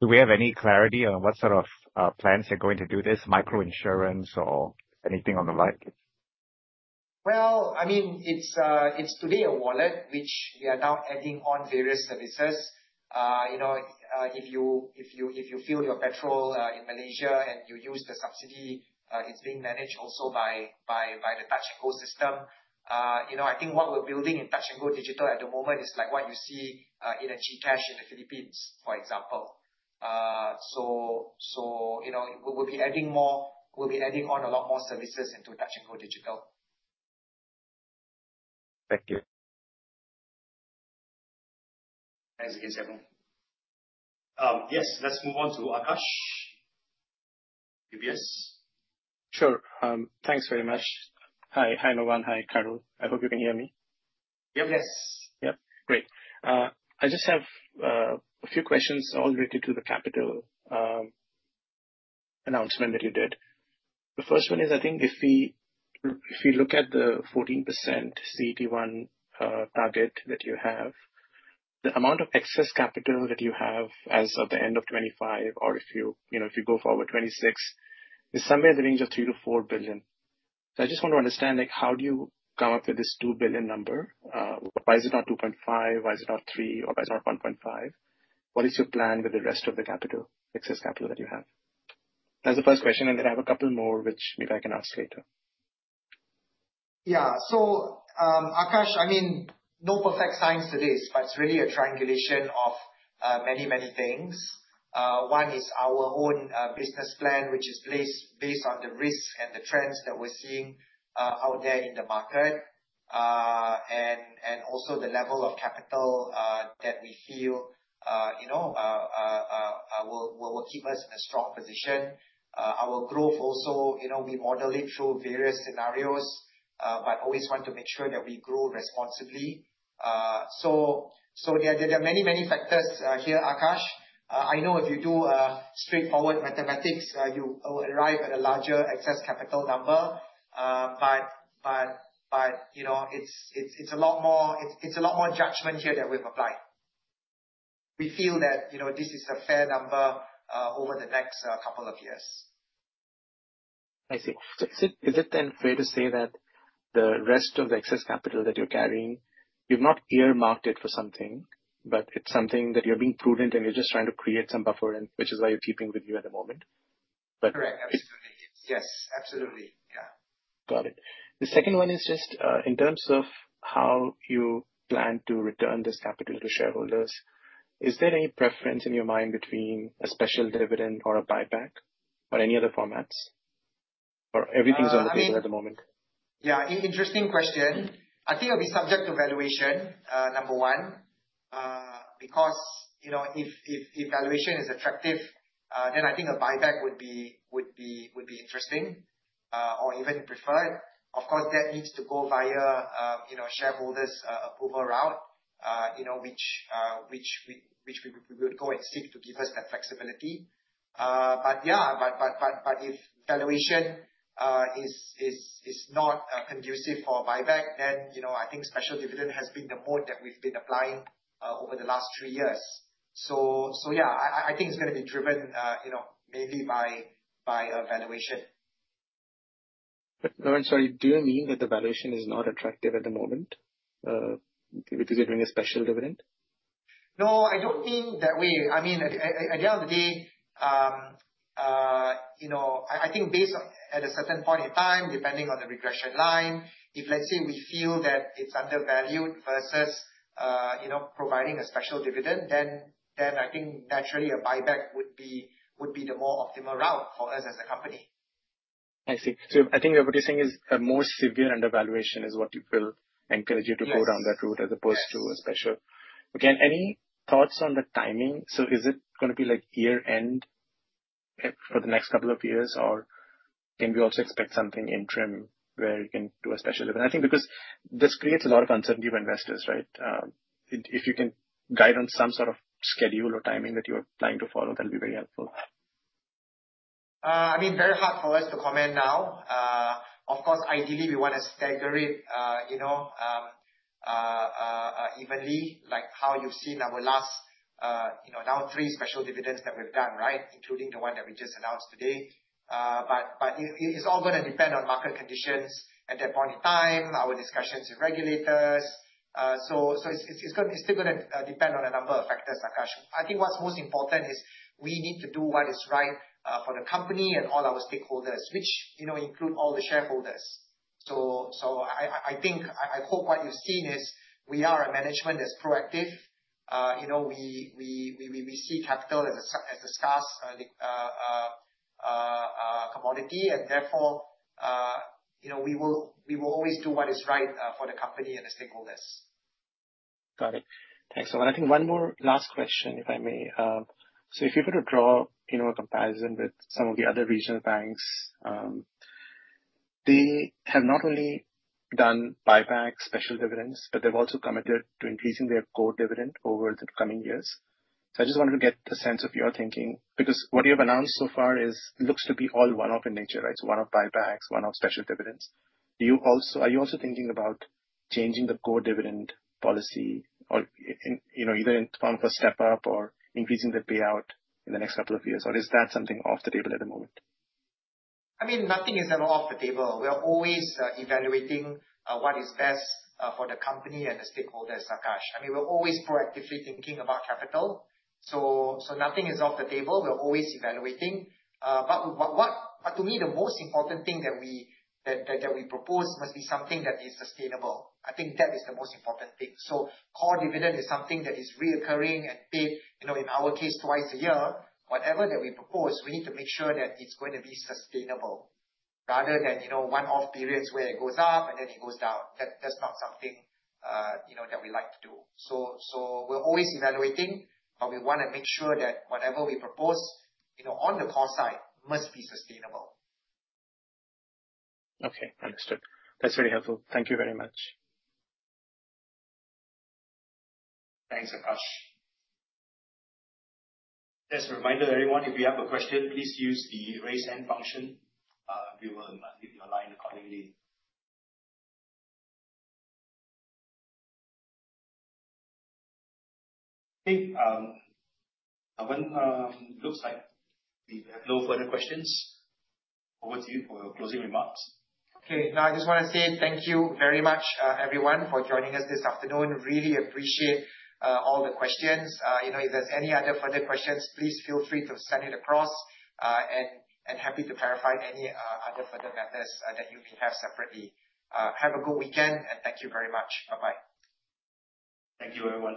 [SPEAKER 9] Do we have any clarity on what sort of plans are going to do this, micro-insurance or anything on the like?
[SPEAKER 2] Well, it's today a wallet, which we are now adding on various services. If you fuel your petrol in Malaysia and you use the subsidy, it's being managed also by the Touch 'n Go system. I think what we're building in Touch 'n Go Digital at the moment is like what you see in a GCash in the Philippines, for example. We'll be adding on a lot more services into Touch 'n Go Digital.
[SPEAKER 9] Thank you.
[SPEAKER 1] Thanks again, Samuel. Yes, let's move on to Akash, UBS.
[SPEAKER 10] Sure. Thanks very much. Hi, Novan. Hi, Carol. I hope you can hear me.
[SPEAKER 3] Yes.
[SPEAKER 10] Yep, great. I just have a few questions all related to the capital announcement that you did. The first one is, I think if we look at the 14% CET1 target that you have, the amount of excess capital that you have as of the end of 2025 or if you go Forward30 2026, is somewhere in the range of 3 billion-4 billion. I just want to understand, how do you come up with this 2 billion number? Why is it not 2.5 billion? Why is it not 3 billion? Why is it not 1.5 billion? What is your plan with the rest of the capital, excess capital that you have? That's the first question, and then I have a couple more, which maybe I can ask later.
[SPEAKER 2] Yeah. Akash, no perfect science to this, but it's really a triangulation of many, many things. One is our own business plan, which is based on the risks and the trends that we're seeing out there in the market, and also the level of capital that we feel will keep us in a strong position. Our growth also, we model it through various scenarios, but always want to make sure that we grow responsibly. There are many, many factors here, Akash. I know if you do straightforward mathematics, you will arrive at a larger excess capital number. It's a lot more judgment here that we've applied. We feel that this is a fair number over the next couple of years.
[SPEAKER 10] I see. Is it fair to say that the rest of the excess capital that you're carrying, you've not earmarked it for something, but it's something that you're being prudent and you're just trying to create some buffering, which is why you're keeping with you at the moment?
[SPEAKER 2] Correct. Absolutely. Yes. Absolutely. Yeah.
[SPEAKER 10] Got it. The second one is just, in terms of how you plan to return this capital to shareholders, is there any preference in your mind between a special dividend or a buyback or any other formats? Everything's on the table at the moment?
[SPEAKER 2] Yeah. Interesting question. I think it'll be subject to valuation, number one. If valuation is attractive, then I think a buyback would be interesting, or even preferred. Of course, that needs to go via shareholders approval route, which we would go and seek to give us that flexibility. Yeah, if valuation is not conducive for a buyback, then I think special dividend has been the mode that we've been applying over the last three years. Yeah, I think it's going to be driven mainly by valuation.
[SPEAKER 10] Sorry, do you mean that the valuation is not attractive at the moment because you're doing a special dividend?
[SPEAKER 2] I don't mean that way. At the end of the day, I think based at a certain point in time, depending on the regression line, if let's say we feel that it's undervalued versus providing a special dividend, then I think naturally a buyback would be the more optimal route for us as a company.
[SPEAKER 10] I see. I think what you're saying is a more severe undervaluation is what will encourage you to-
[SPEAKER 2] Yes
[SPEAKER 10] go down that route as opposed to-
[SPEAKER 2] Yes
[SPEAKER 10] a special. Any thoughts on the timing? Is it going to be year-end for the next couple of years? Or can we also expect something interim where you can do a special dividend? I think because this creates a lot of uncertainty for investors, right? If you can guide on some sort of schedule or timing that you're planning to follow, that'll be very helpful.
[SPEAKER 2] Very hard for us to comment now. Of course, ideally, we want to stagger it evenly, like how you've seen our last now three special dividends that we've done, including the one that we just announced today. It's all going to depend on market conditions at that point in time, our discussions with regulators. It's still going to depend on a number of factors, Akash. I think what's most important is we need to do what is right for the company and all our stakeholders, which include all the shareholders. I hope what you've seen is we are a management that's proactive. We see capital as a scarce commodity, and therefore, we will always do what is right for the company and the stakeholders.
[SPEAKER 10] Got it. Thanks. I think one more last question, if I may. If you were to draw a comparison with some of the other regional banks, they have not only done buyback special dividends, but they've also committed to increasing their core dividend over the coming years. I just wanted to get the sense of your thinking, because what you have announced so far looks to be all one-off in nature, right? One-off buybacks, one-off special dividends. Are you also thinking about changing the core dividend policy or, either in terms of a step-up or increasing the payout in the next couple of years, or is that something off the table at the moment?
[SPEAKER 2] Nothing is ever off the table. We are always evaluating what is best for the company and the stakeholders, Akash. We're always proactively thinking about capital. Nothing is off the table. We are always evaluating. To me, the most important thing that we propose must be something that is sustainable. I think that is the most important thing. Core dividend is something that is reoccurring and paid, in our case, twice a year. Whatever that we propose, we need to make sure that it's going to be sustainable rather than one-off periods where it goes up and then it goes down. That's not something that we like to do. We're always evaluating, but we want to make sure that whatever we propose on the core side must be sustainable.
[SPEAKER 10] Okay. Understood. That's very helpful. Thank you very much.
[SPEAKER 2] Thanks, Akash.
[SPEAKER 1] Just a reminder, everyone, if you have a question, please use the Raise Hand function. We will unmute your line accordingly. Okay, Novan, looks like we have no further questions. Over to you for your closing remarks.
[SPEAKER 2] Okay. I just want to say thank you very much, everyone, for joining us this afternoon. Really appreciate all the questions. If there's any other further questions, please feel free to send it across, and happy to clarify any other further matters that you may have separately. Have a good weekend, and thank you very much. Bye-bye.
[SPEAKER 1] Thank you, everyone.